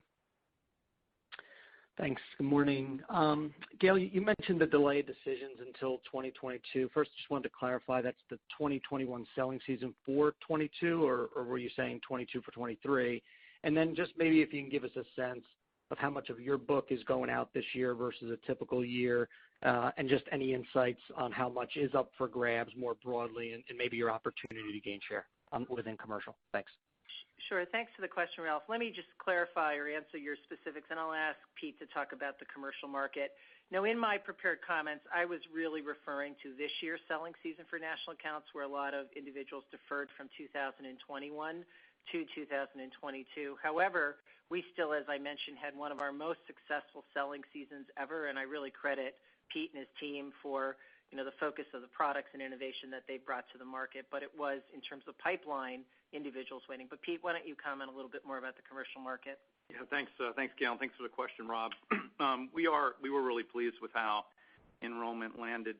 Thanks. Good morning. Gail, you mentioned the delayed decisions until 2022. First, just wanted to clarify, that's the 2021 selling season for 2022, or were you saying 2022 for 2023? Just maybe if you can give us a sense of how much of your book is going out this year versus a typical year, and just any insights on how much is up for grabs more broadly and maybe your opportunity to gain share within commercial. Thanks. Sure. Thanks for the question, Ralph. Let me just clarify or answer your specifics, and I'll ask Pete to talk about the commercial market. In my prepared comments, I was really referring to this year's selling season for national accounts, where a lot of individuals deferred from 2021 to 2022. However, we still, as I mentioned, had one of our most successful selling seasons ever, and I really credit Pete and his team for the focus of the products and innovation that they brought to the market. It was in terms of pipeline individuals waiting. Pete, why don't you comment a little bit more about the commercial market? Yeah, thanks, Gail. Thanks for the question, Ralph. We were really pleased with how enrollment landed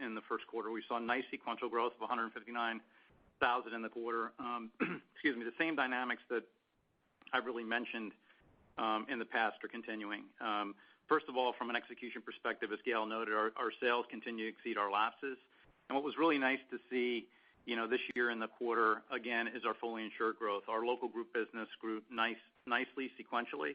in the first quarter. We saw nice sequential growth of 159,000 in the quarter. Excuse me. The same dynamics that I've really mentioned in the past are continuing. First of all, from an execution perspective, as Gail noted, our sales continue to exceed our lapses. What was really nice to see this year in the quarter, again, is our fully insured growth. Our local group business grew nicely sequentially.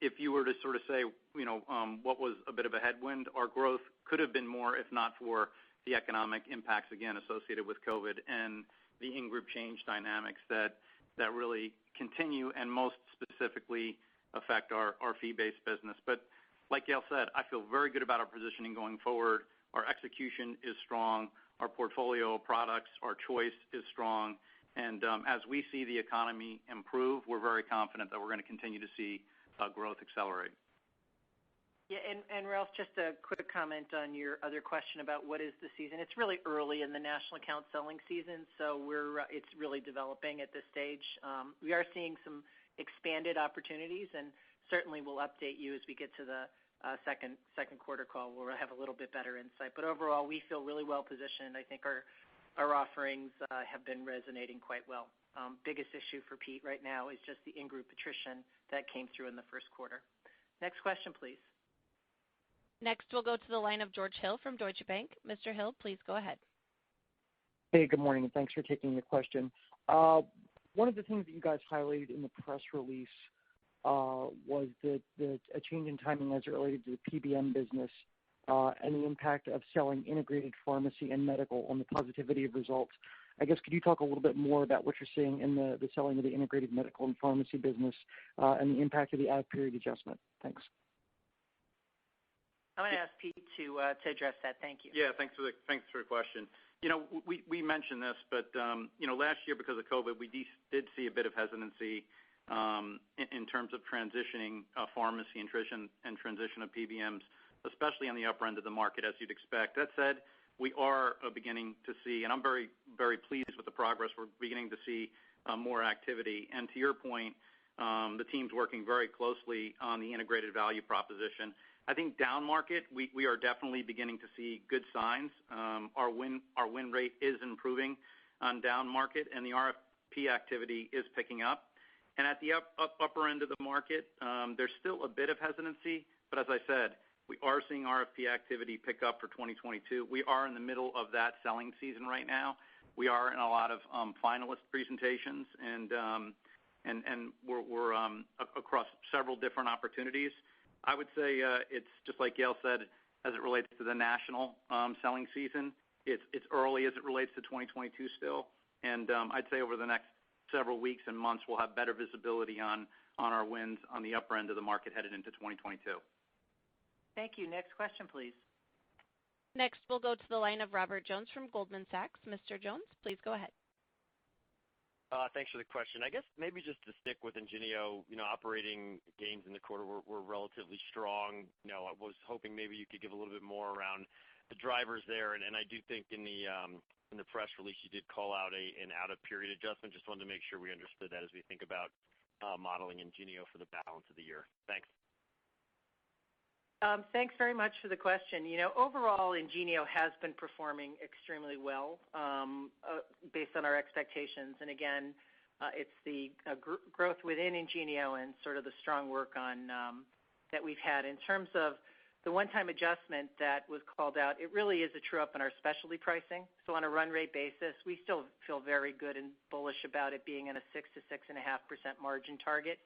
If you were to sort of say what was a bit of a headwind, our growth could have been more if not for the economic impacts, again, associated with COVID-19 and the in-group change dynamics that really continue and most specifically affect our fee-based business. Like Gail said, I feel very good about our positioning going forward. Our execution is strong. Our portfolio of products, our choice is strong. As we see the economy improve, we're very confident that we're going to continue to see growth accelerate. Yeah, Ralph, just a quick comment on your other question about what is the season. It's really early in the national account selling season, so it's really developing at this stage. We are seeing some expanded opportunities, and certainly we'll update you as we get to the second quarter call, where we'll have a little bit better insight. Overall, we feel really well-positioned. I think our offerings have been resonating quite well. Biggest issue for Pete right now is just the in-group attrition that came through in the first quarter. Next question, please. Next, we'll go to the line of George Hill from Deutsche Bank. Mr. Hill, please go ahead. Hey, good morning, and thanks for taking the question. One of the things that you guys highlighted in the press release was a change in timing as it related to the PBM business, and the impact of selling integrated pharmacy and medical on the positivity of results. I guess, could you talk a little bit more about what you're seeing in the selling of the integrated medical and pharmacy business, and the impact of the out-of-period adjustment? Thanks. I'm going to ask Pete to address that. Thank you. Thanks for the question. Last year because of COVID, we did see a bit of hesitancy in terms of transitioning pharmacy attrition and transition of PBMs, especially on the upper end of the market as you'd expect. That said, we are beginning to see, and I'm very pleased with the progress, we're beginning to see more activity. To your point, the team's working very closely on the integrated value proposition. I think down market, we are definitely beginning to see good signs. Our win rate is improving on down market. The RFP activity is picking up. At the upper end of the market, there's still a bit of hesitancy, but as I said, we are seeing RFP activity pick up for 2022. We are in the middle of that selling season right now. We are in a lot of finalist presentations, and we're across several different opportunities. I would say it's just like Gail said, as it relates to the national selling season, it's early as it relates to 2022 still. I'd say over the next several weeks and months, we'll have better visibility on our wins on the upper end of the market headed into 2022. Thank you. Next question, please. We'll go to the line of Robert Jones from Goldman Sachs. Mr. Jones, please go ahead. Thanks for the question. I guess maybe just to stick with IngenioRx, operating gains in the quarter were relatively strong. I was hoping maybe you could give a little bit more around the drivers there, and I do think in the press release you did call out an out-of-period adjustment. Just wanted to make sure we understood that as we think about modeling IngenioRx for the balance of the year. Thanks. Thanks very much for the question. Overall, IngenioRx has been performing extremely well based on our expectations. Again, it's the growth within IngenioRx and sort of the strong work that we've had. In terms of the one-time adjustment that was called out, it really is a true-up in our specialty pricing. On a run rate basis, we still feel very good and bullish about it being in a 6%-6.5% margin target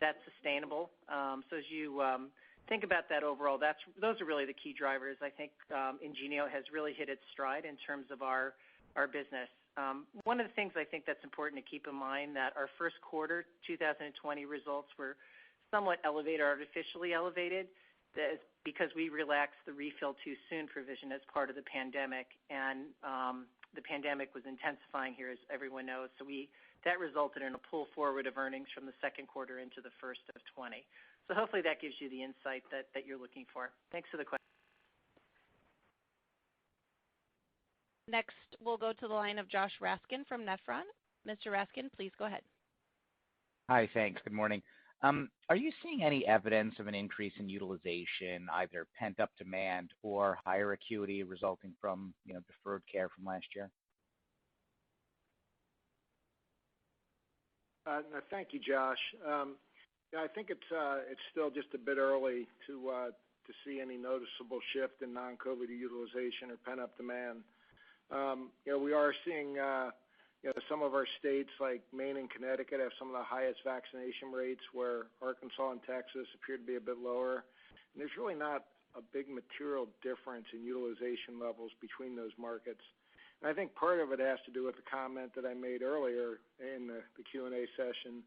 that's sustainable. As you think about that overall, those are really the key drivers. I think IngenioRx has really hit its stride in terms of our business. One of the things I think that's important to keep in mind that our first quarter 2020 results were somewhat artificially elevated because we relaxed the refill too soon provisions as part of the pandemic. The pandemic was intensifying here, as everyone knows. That resulted in a pull forward of earnings from the 2nd quarter into the 1st of 2020. Hopefully that gives you the insight that you're looking for. Thanks for the question. Next, we'll go to the line of Josh Raskin from Nephron. Mr. Raskin, please go ahead. Hi, thanks. Good morning. Are you seeing any evidence of an increase in utilization, either pent-up demand or higher acuity resulting from deferred care from last year? Thank you, Josh. I think it's still just a bit early to see any noticeable shift in non-COVID utilization or pent-up demand. We are seeing some of our states, like Maine and Connecticut, have some of the highest vaccination rates, where Arkansas and Texas appear to be a bit lower. There's really not a big material difference in utilization levels between those markets. I think part of it has to do with the comment that I made earlier in the Q&A session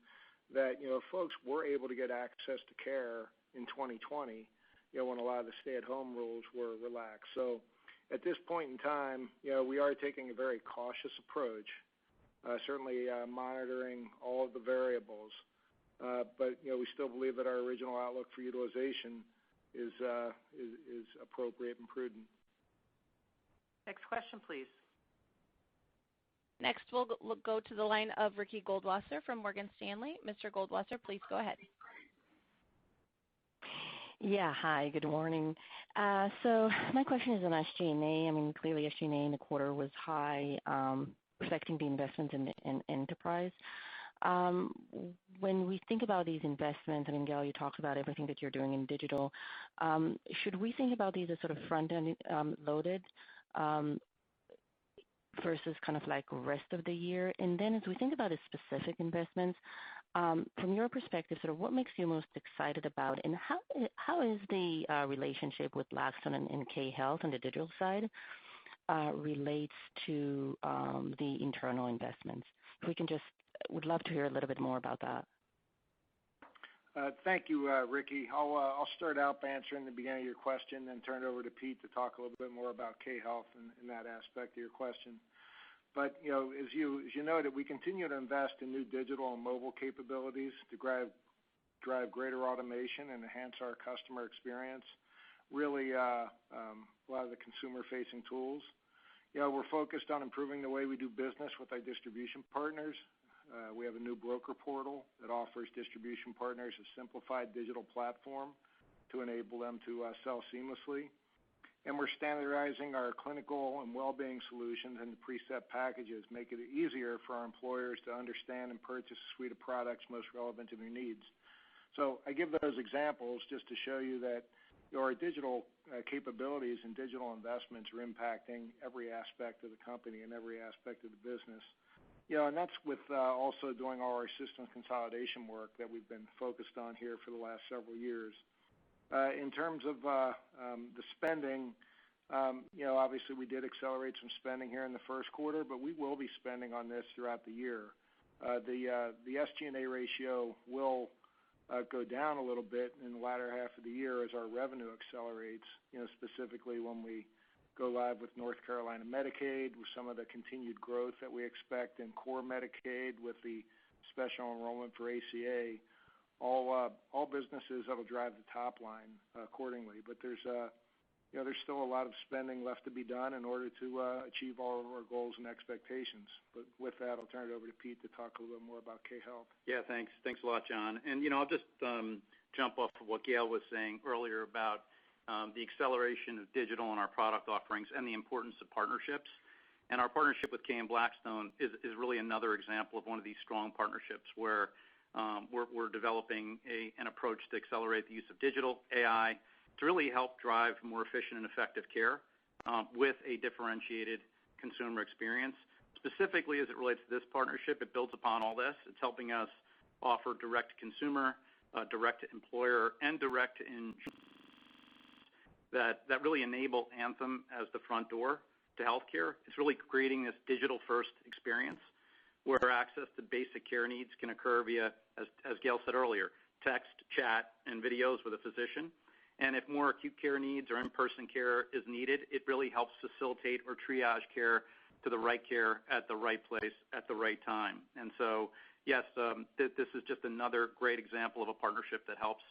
that folks were able to get access to care in 2020, when a lot of the stay-at-home rules were relaxed. At this point in time, we are taking a very cautious approach, certainly monitoring all of the variables. We still believe that our original outlook for utilization is appropriate and prudent. Next question, please. Next, we'll go to the line of Ricky Goldwasser from Morgan Stanley. Mr. Goldwasser, please go ahead. Yeah. Hi, good morning. My question is on SG&A. Clearly SG&A in the quarter was high, reflecting the investments in enterprise. When we think about these investments, and Gail, you talked about everything that you're doing in digital, should we think about these as sort of front-end loaded versus kind of like rest of the year? As we think about the specific investments, from your perspective, sort of what makes you most excited about, and how is the relationship with Blackstone and K Health on the digital side relates to the internal investments? Would love to hear a little bit more about that. Thank you, Ricky. I'll start out by answering the beginning of your question, then turn it over to Peter to talk a little bit more about K Health and that aspect of your question. As you noted, we continue to invest in new digital and mobile capabilities to drive greater automation and enhance our customer experience, really a lot of the consumer-facing tools. We're focused on improving the way we do business with our distribution partners. We have a new broker portal that offers distribution partners a simplified digital platform to enable them to sell seamlessly. We're standardizing our clinical and well-being solutions and preset packages make it easier for our employers to understand and purchase a suite of products most relevant to their needs. I give those examples just to show you that our digital capabilities and digital investments are impacting every aspect of the company and every aspect of the business. That's with also doing all our system consolidation work that we've been focused on here for the last several years. In terms of the spending, obviously we did accelerate some spending here in the first quarter, but we will be spending on this throughout the year. The SG&A ratio will go down a little bit in the latter half of the year as our revenue accelerates, specifically when we go live with North Carolina Medicaid, with some of the continued growth that we expect in core Medicaid, with the special enrollment for ACA. All businesses that'll drive the top line accordingly. There's still a lot of spending left to be done in order to achieve all of our goals and expectations. With that, I'll turn it over to Pete to talk a little more about K Health. Yeah, thanks. Thanks a lot, John. I'll just jump off of what Gail was saying earlier about the acceleration of digital in our product offerings and the importance of partnerships. Our partnership with K Health and Blackstone is really another example of one of these strong partnerships where we're developing an approach to accelerate the use of digital AI to really help drive more efficient and effective care with a differentiated consumer experience. Specifically as it relates to this partnership, it builds upon all this. It's helping us offer direct to consumer, direct to employer, and direct to insurer that really enable Anthem as the front door to healthcare. It's really creating this digital-first experience where access to basic care needs can occur via, as Gail said earlier, text, chat, and videos with a physician. If more acute care needs or in-person care is needed, it really helps facilitate or triage care to the right care at the right place at the right time. Yes, this is just another great example of a partnership that helps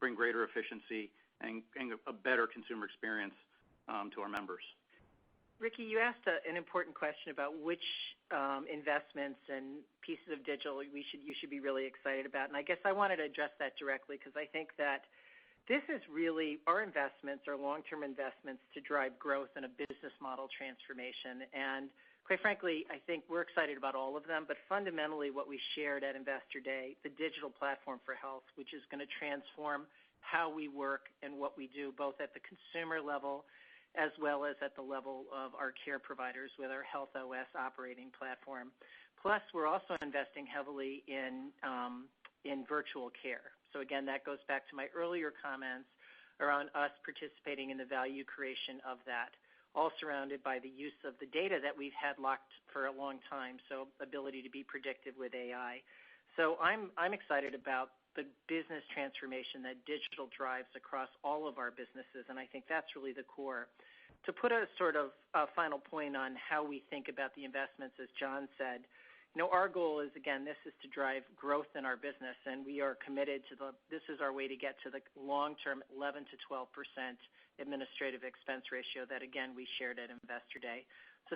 bring greater efficiency and a better consumer experience to our members. Ricky, you asked an important question about which investments and pieces of digital you should be really excited about, I guess I wanted to address that directly, because I think that our investments are long-term investments to drive growth in a business model transformation. Quite frankly, I think we're excited about all of them. Fundamentally, what we shared at Investor Day, the digital platform for health, which is going to transform how we work and what we do, both at the consumer level as well as at the level of our care providers with our Health OS operating platform. Plus, we're also investing heavily in virtual care. Again, that goes back to my earlier comments around us participating in the value creation of that, all surrounded by the use of the data that we've had locked for a long time, so ability to be predictive with AI. I'm excited about the business transformation that digital drives across all of our businesses, and I think that's really the core. To put a sort of final point on how we think about the investments, as John said, our goal is, again, this is to drive growth in our business, and this is our way to get to the long-term 11%-12% administrative expense ratio that, again, we shared at Investor Day.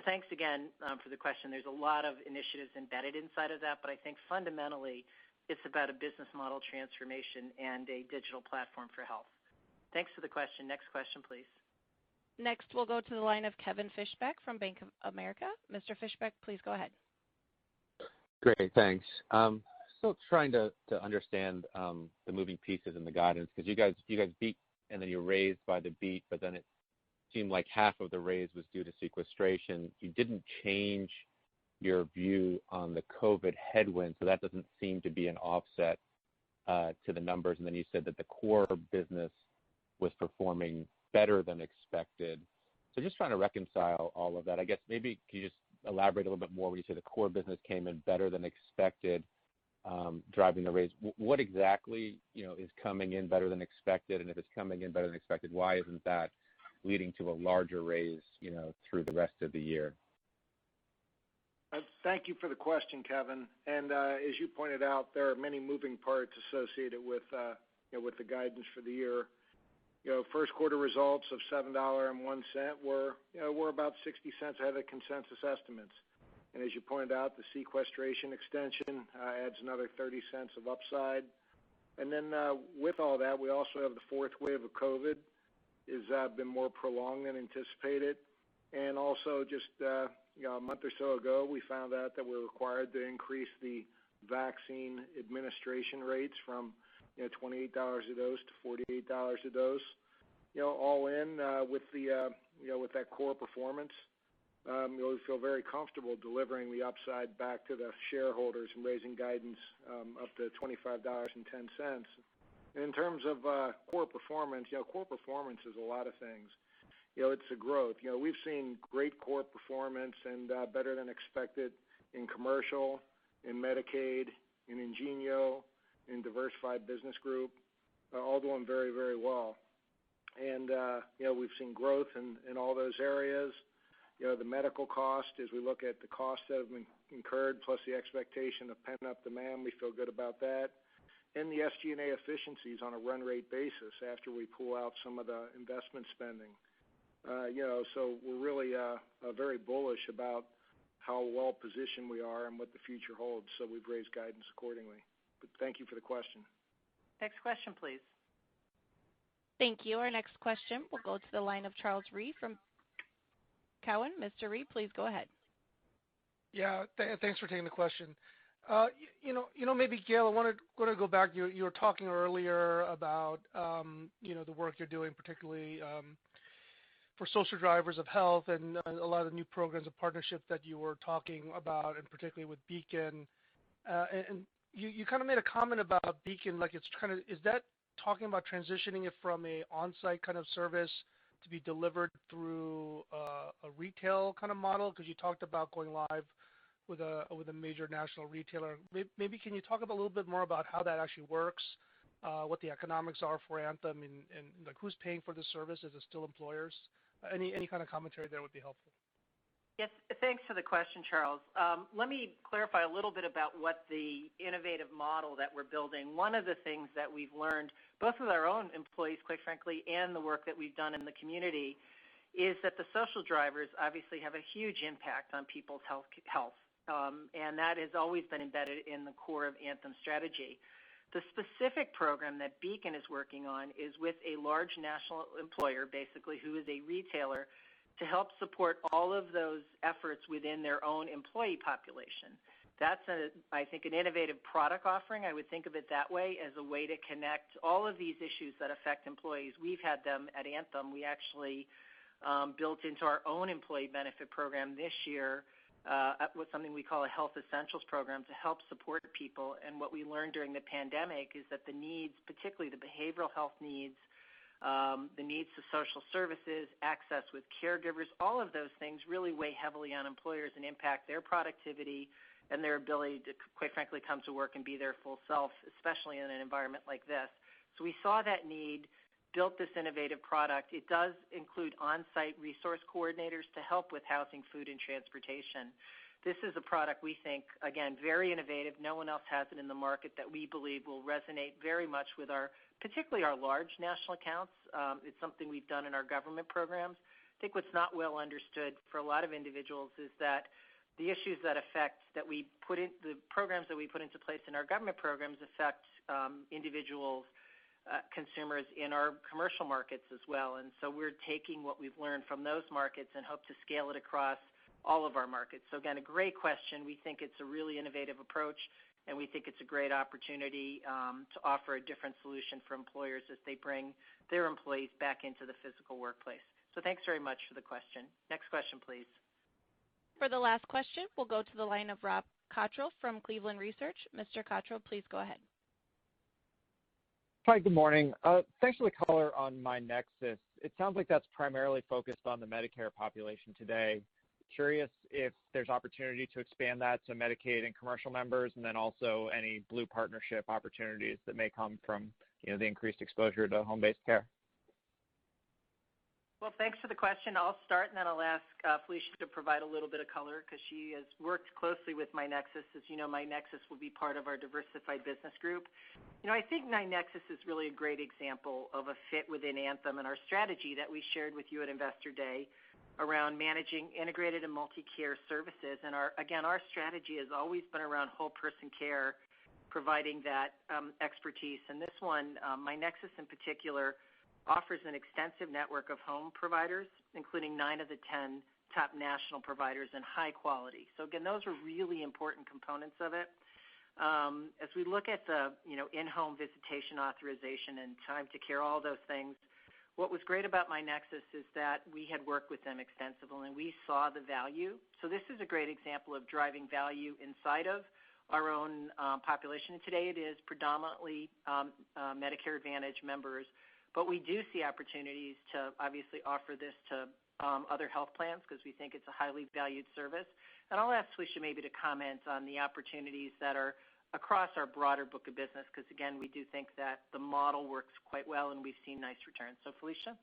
Thanks again for the question. There's a lot of initiatives embedded inside of that, but I think fundamentally, it's about a business model transformation and a digital platform for health. Thanks for the question. Next question, please. Next, we'll go to the line of Kevin Fischbeck from Bank of America. Mr. Fischbeck, please go ahead. Great. Thanks. Still trying to understand the moving pieces and the guidance, because you guys beat, and then you raised by the beat, but then it seemed like half of the raise was due to sequestration. You didn't change your view on the COVID headwind, so that doesn't seem to be an offset to the numbers. You said that the core business was performing better than expected. Just trying to reconcile all of that. I guess maybe can you just elaborate a little bit more when you say the core business came in better than expected, driving the raise. What exactly is coming in better than expected? If it's coming in better than expected, why isn't that leading to a larger raise through the rest of the year? Thank you for the question, Kevin. As you pointed out, there are many moving parts associated with the guidance for the year. First quarter results of $7.01 were about $0.60 ahead of consensus estimates. As you pointed out, the sequestration extension adds another $0.30 of upside. With all that, we also have the fourth wave of COVID has been more prolonged than anticipated. Also just a month or so ago, we found out that we're required to increase the vaccine administration rates from $28 a dose to $48 a dose. All in with that core performance, we feel very comfortable delivering the upside back to the shareholders and raising guidance up to $25.10. In terms of core performance, core performance is a lot of things. It's the growth. We've seen great core performance better than expected in Commercial, in Medicaid, in IngenioRx, in Diversified Business Group, all doing very well. We've seen growth in all those areas. The medical cost, as we look at the cost that have been incurred, plus the expectation of pent-up demand, we feel good about that. The SG&A efficiencies on a run rate basis after we pull out some of the investment spending. We're really very bullish about how well-positioned we are and what the future holds, so we've raised guidance accordingly. Thank you for the question. Next question, please. Thank you. Our next question will go to the line of Charles Rhyee from Cowen. Mr. Rhyee, please go ahead. Yeah, thanks for taking the question. Maybe Gail, I wanted to go back. You were talking earlier about the work you're doing, particularly for social drivers of health and a lot of the new programs of partnership that you were talking about, and particularly with Beacon. You kind of made a comment about Beacon. Is that talking about transitioning it from an on-site kind of service to be delivered through a retail kind of model? Because you talked about going live with a major national retailer. Maybe can you talk a little bit more about how that actually works, what the economics are for Anthem, and who's paying for this service? Is it still employers? Any kind of commentary there would be helpful. Yes. Thanks for the question, Charles. Let me clarify a little bit about what the innovative model that we're building. One of the things that we've learned, both with our own employees, quite frankly, and the work that we've done in the community, is that the social drivers obviously have a huge impact on people's health. That has always been embedded in the core of Anthem's strategy. The specific program that Beacon is working on is with a large national employer, basically, who is a retailer, to help support all of those efforts within their own employee population. That's, I think, an innovative product offering. I would think of it that way, as a way to connect all of these issues that affect employees. We've had them at Anthem. We actually built into our own employee benefit program this year with something we call a Health Essentials program to help support people. What we learned during the pandemic is that the needs, particularly the behavioral health needs, the needs of social services, access with caregivers, all of those things really weigh heavily on employers and impact their productivity and their ability to, quite frankly, come to work and be their full self, especially in an environment like this. We saw that need, built this innovative product. It does include on-site resource coordinators to help with housing, food, and transportation. This is a product we think, again, very innovative. No one else has it in the market that we believe will resonate very much with, particularly our large national accounts. It's something we've done in our government programs. I think what's not well understood for a lot of individuals is that the programs that we put into place in our government programs affect individuals consumers in our commercial markets as well. We're taking what we've learned from those markets and hope to scale it across all of our markets. Again, a great question. We think it's a really innovative approach, and we think it's a great opportunity to offer a different solution for employers as they bring their employees back into the physical workplace. Thanks very much for the question. Next question, please. For the last question, we'll go to the line of Rob Cottrell from Cleveland Research. Mr. Cottrell, please go ahead. Hi, good morning. Thanks for the color on myNEXUS. It sounds like that's primarily focused on the Medicare population today. Curious if there's opportunity to expand that to Medicaid and commercial members, and then also any Blue partnership opportunities that may come from the increased exposure to home-based care. Well, thanks for the question. I'll start, and then I'll ask Felicia to provide a little bit of color because she has worked closely with myNEXUS. As you know, myNEXUS will be part of our Diversified Business Group. I think myNEXUS is really a great example of a fit within Anthem and our strategy that we shared with you at Investor Day around managing integrated and multi-care services. Again, our strategy has always been around whole person care, providing that expertise. This one, myNEXUS in particular, offers an extensive network of home providers, including nine of the 10 top national providers in high quality. Again, those are really important components of it. As we look at the in-home visitation authorization and time to care, all those things, what was great about myNEXUS is that we had worked with them extensively, and we saw the value. This is a great example of driving value inside of our own population. Today it is predominantly Medicare Advantage members, but we do see opportunities to obviously offer this to other health plans because we think it's a highly valued service. I'll ask Felicia maybe to comment on the opportunities that are across our broader book of business, because again, we do think that the model works quite well and we've seen nice returns. Felicia?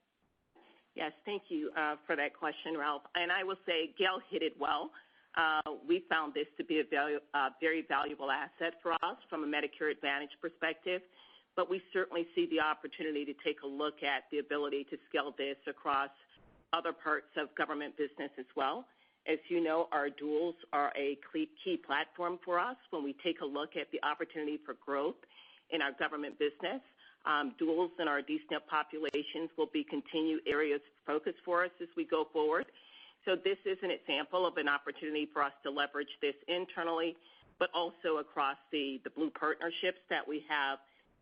Yes. Thank you for that question, Rob. I will say Gail hit it well. We found this to be a very valuable asset for us from a Medicare Advantage perspective, but we certainly see the opportunity to take a look at the ability to scale this across other parts of government business as well. As you know, our duals are a key platform for us when we take a look at the opportunity for growth in our government business. Duals in our D-SNP populations will be continued areas of focus for us as we go forward. This is an example of an opportunity for us to leverage this internally, but also across the Blue partnerships that we have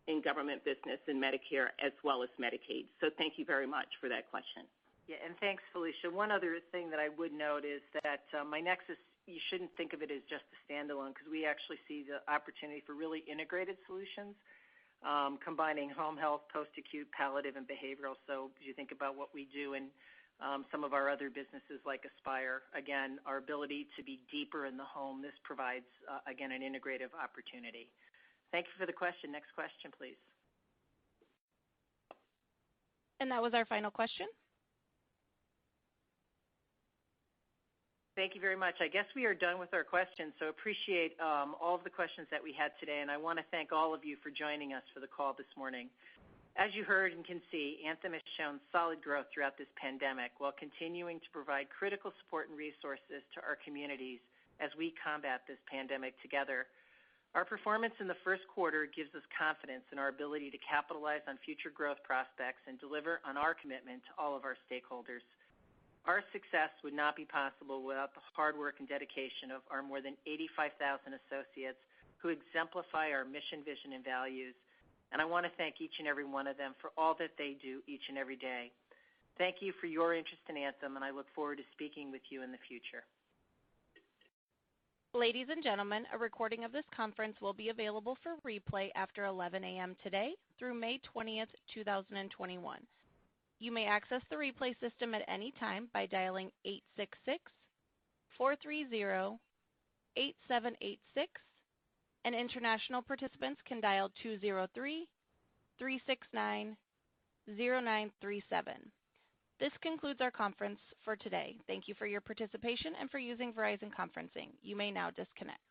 in government business and Medicare as well as Medicaid. Thank you very much for that question. Yeah, thanks, Felicia. One other thing that I would note is that myNEXUS, you shouldn't think of it as just a standalone, because we actually see the opportunity for really integrated solutions combining home health, post-acute, palliative, and behavioral. As you think about what we do and some of our other businesses like Aspire, again, our ability to be deeper in the home, this provides, again, an integrative opportunity. Thank you for the question. Next question, please. That was our final question. Thank you very much. I guess we are done with our questions, so appreciate all of the questions that we had today, and I want to thank all of you for joining us for the call this morning. As you heard and can see, Anthem has shown solid growth throughout this pandemic while continuing to provide critical support and resources to our communities as we combat this pandemic together. Our performance in the first quarter gives us confidence in our ability to capitalize on future growth prospects and deliver on our commitment to all of our stakeholders. Our success would not be possible without the hard work and dedication of our more than 85,000 associates who exemplify our mission, vision, and values, and I want to thank each and every one of them for all that they do each and every day. Thank you for your interest in Anthem, and I look forward to speaking with you in the future. Ladies and gentlemen, a recording of this conference will be available for replay after 11:00 a.m. today through May 20th, 2021. You may access the replay system at any time by dialing 866-430-8786, and international participants can dial 203-369-0937. This concludes our conference for today. Thank you for your participation and for using Verizon Conferencing. You may now disconnect.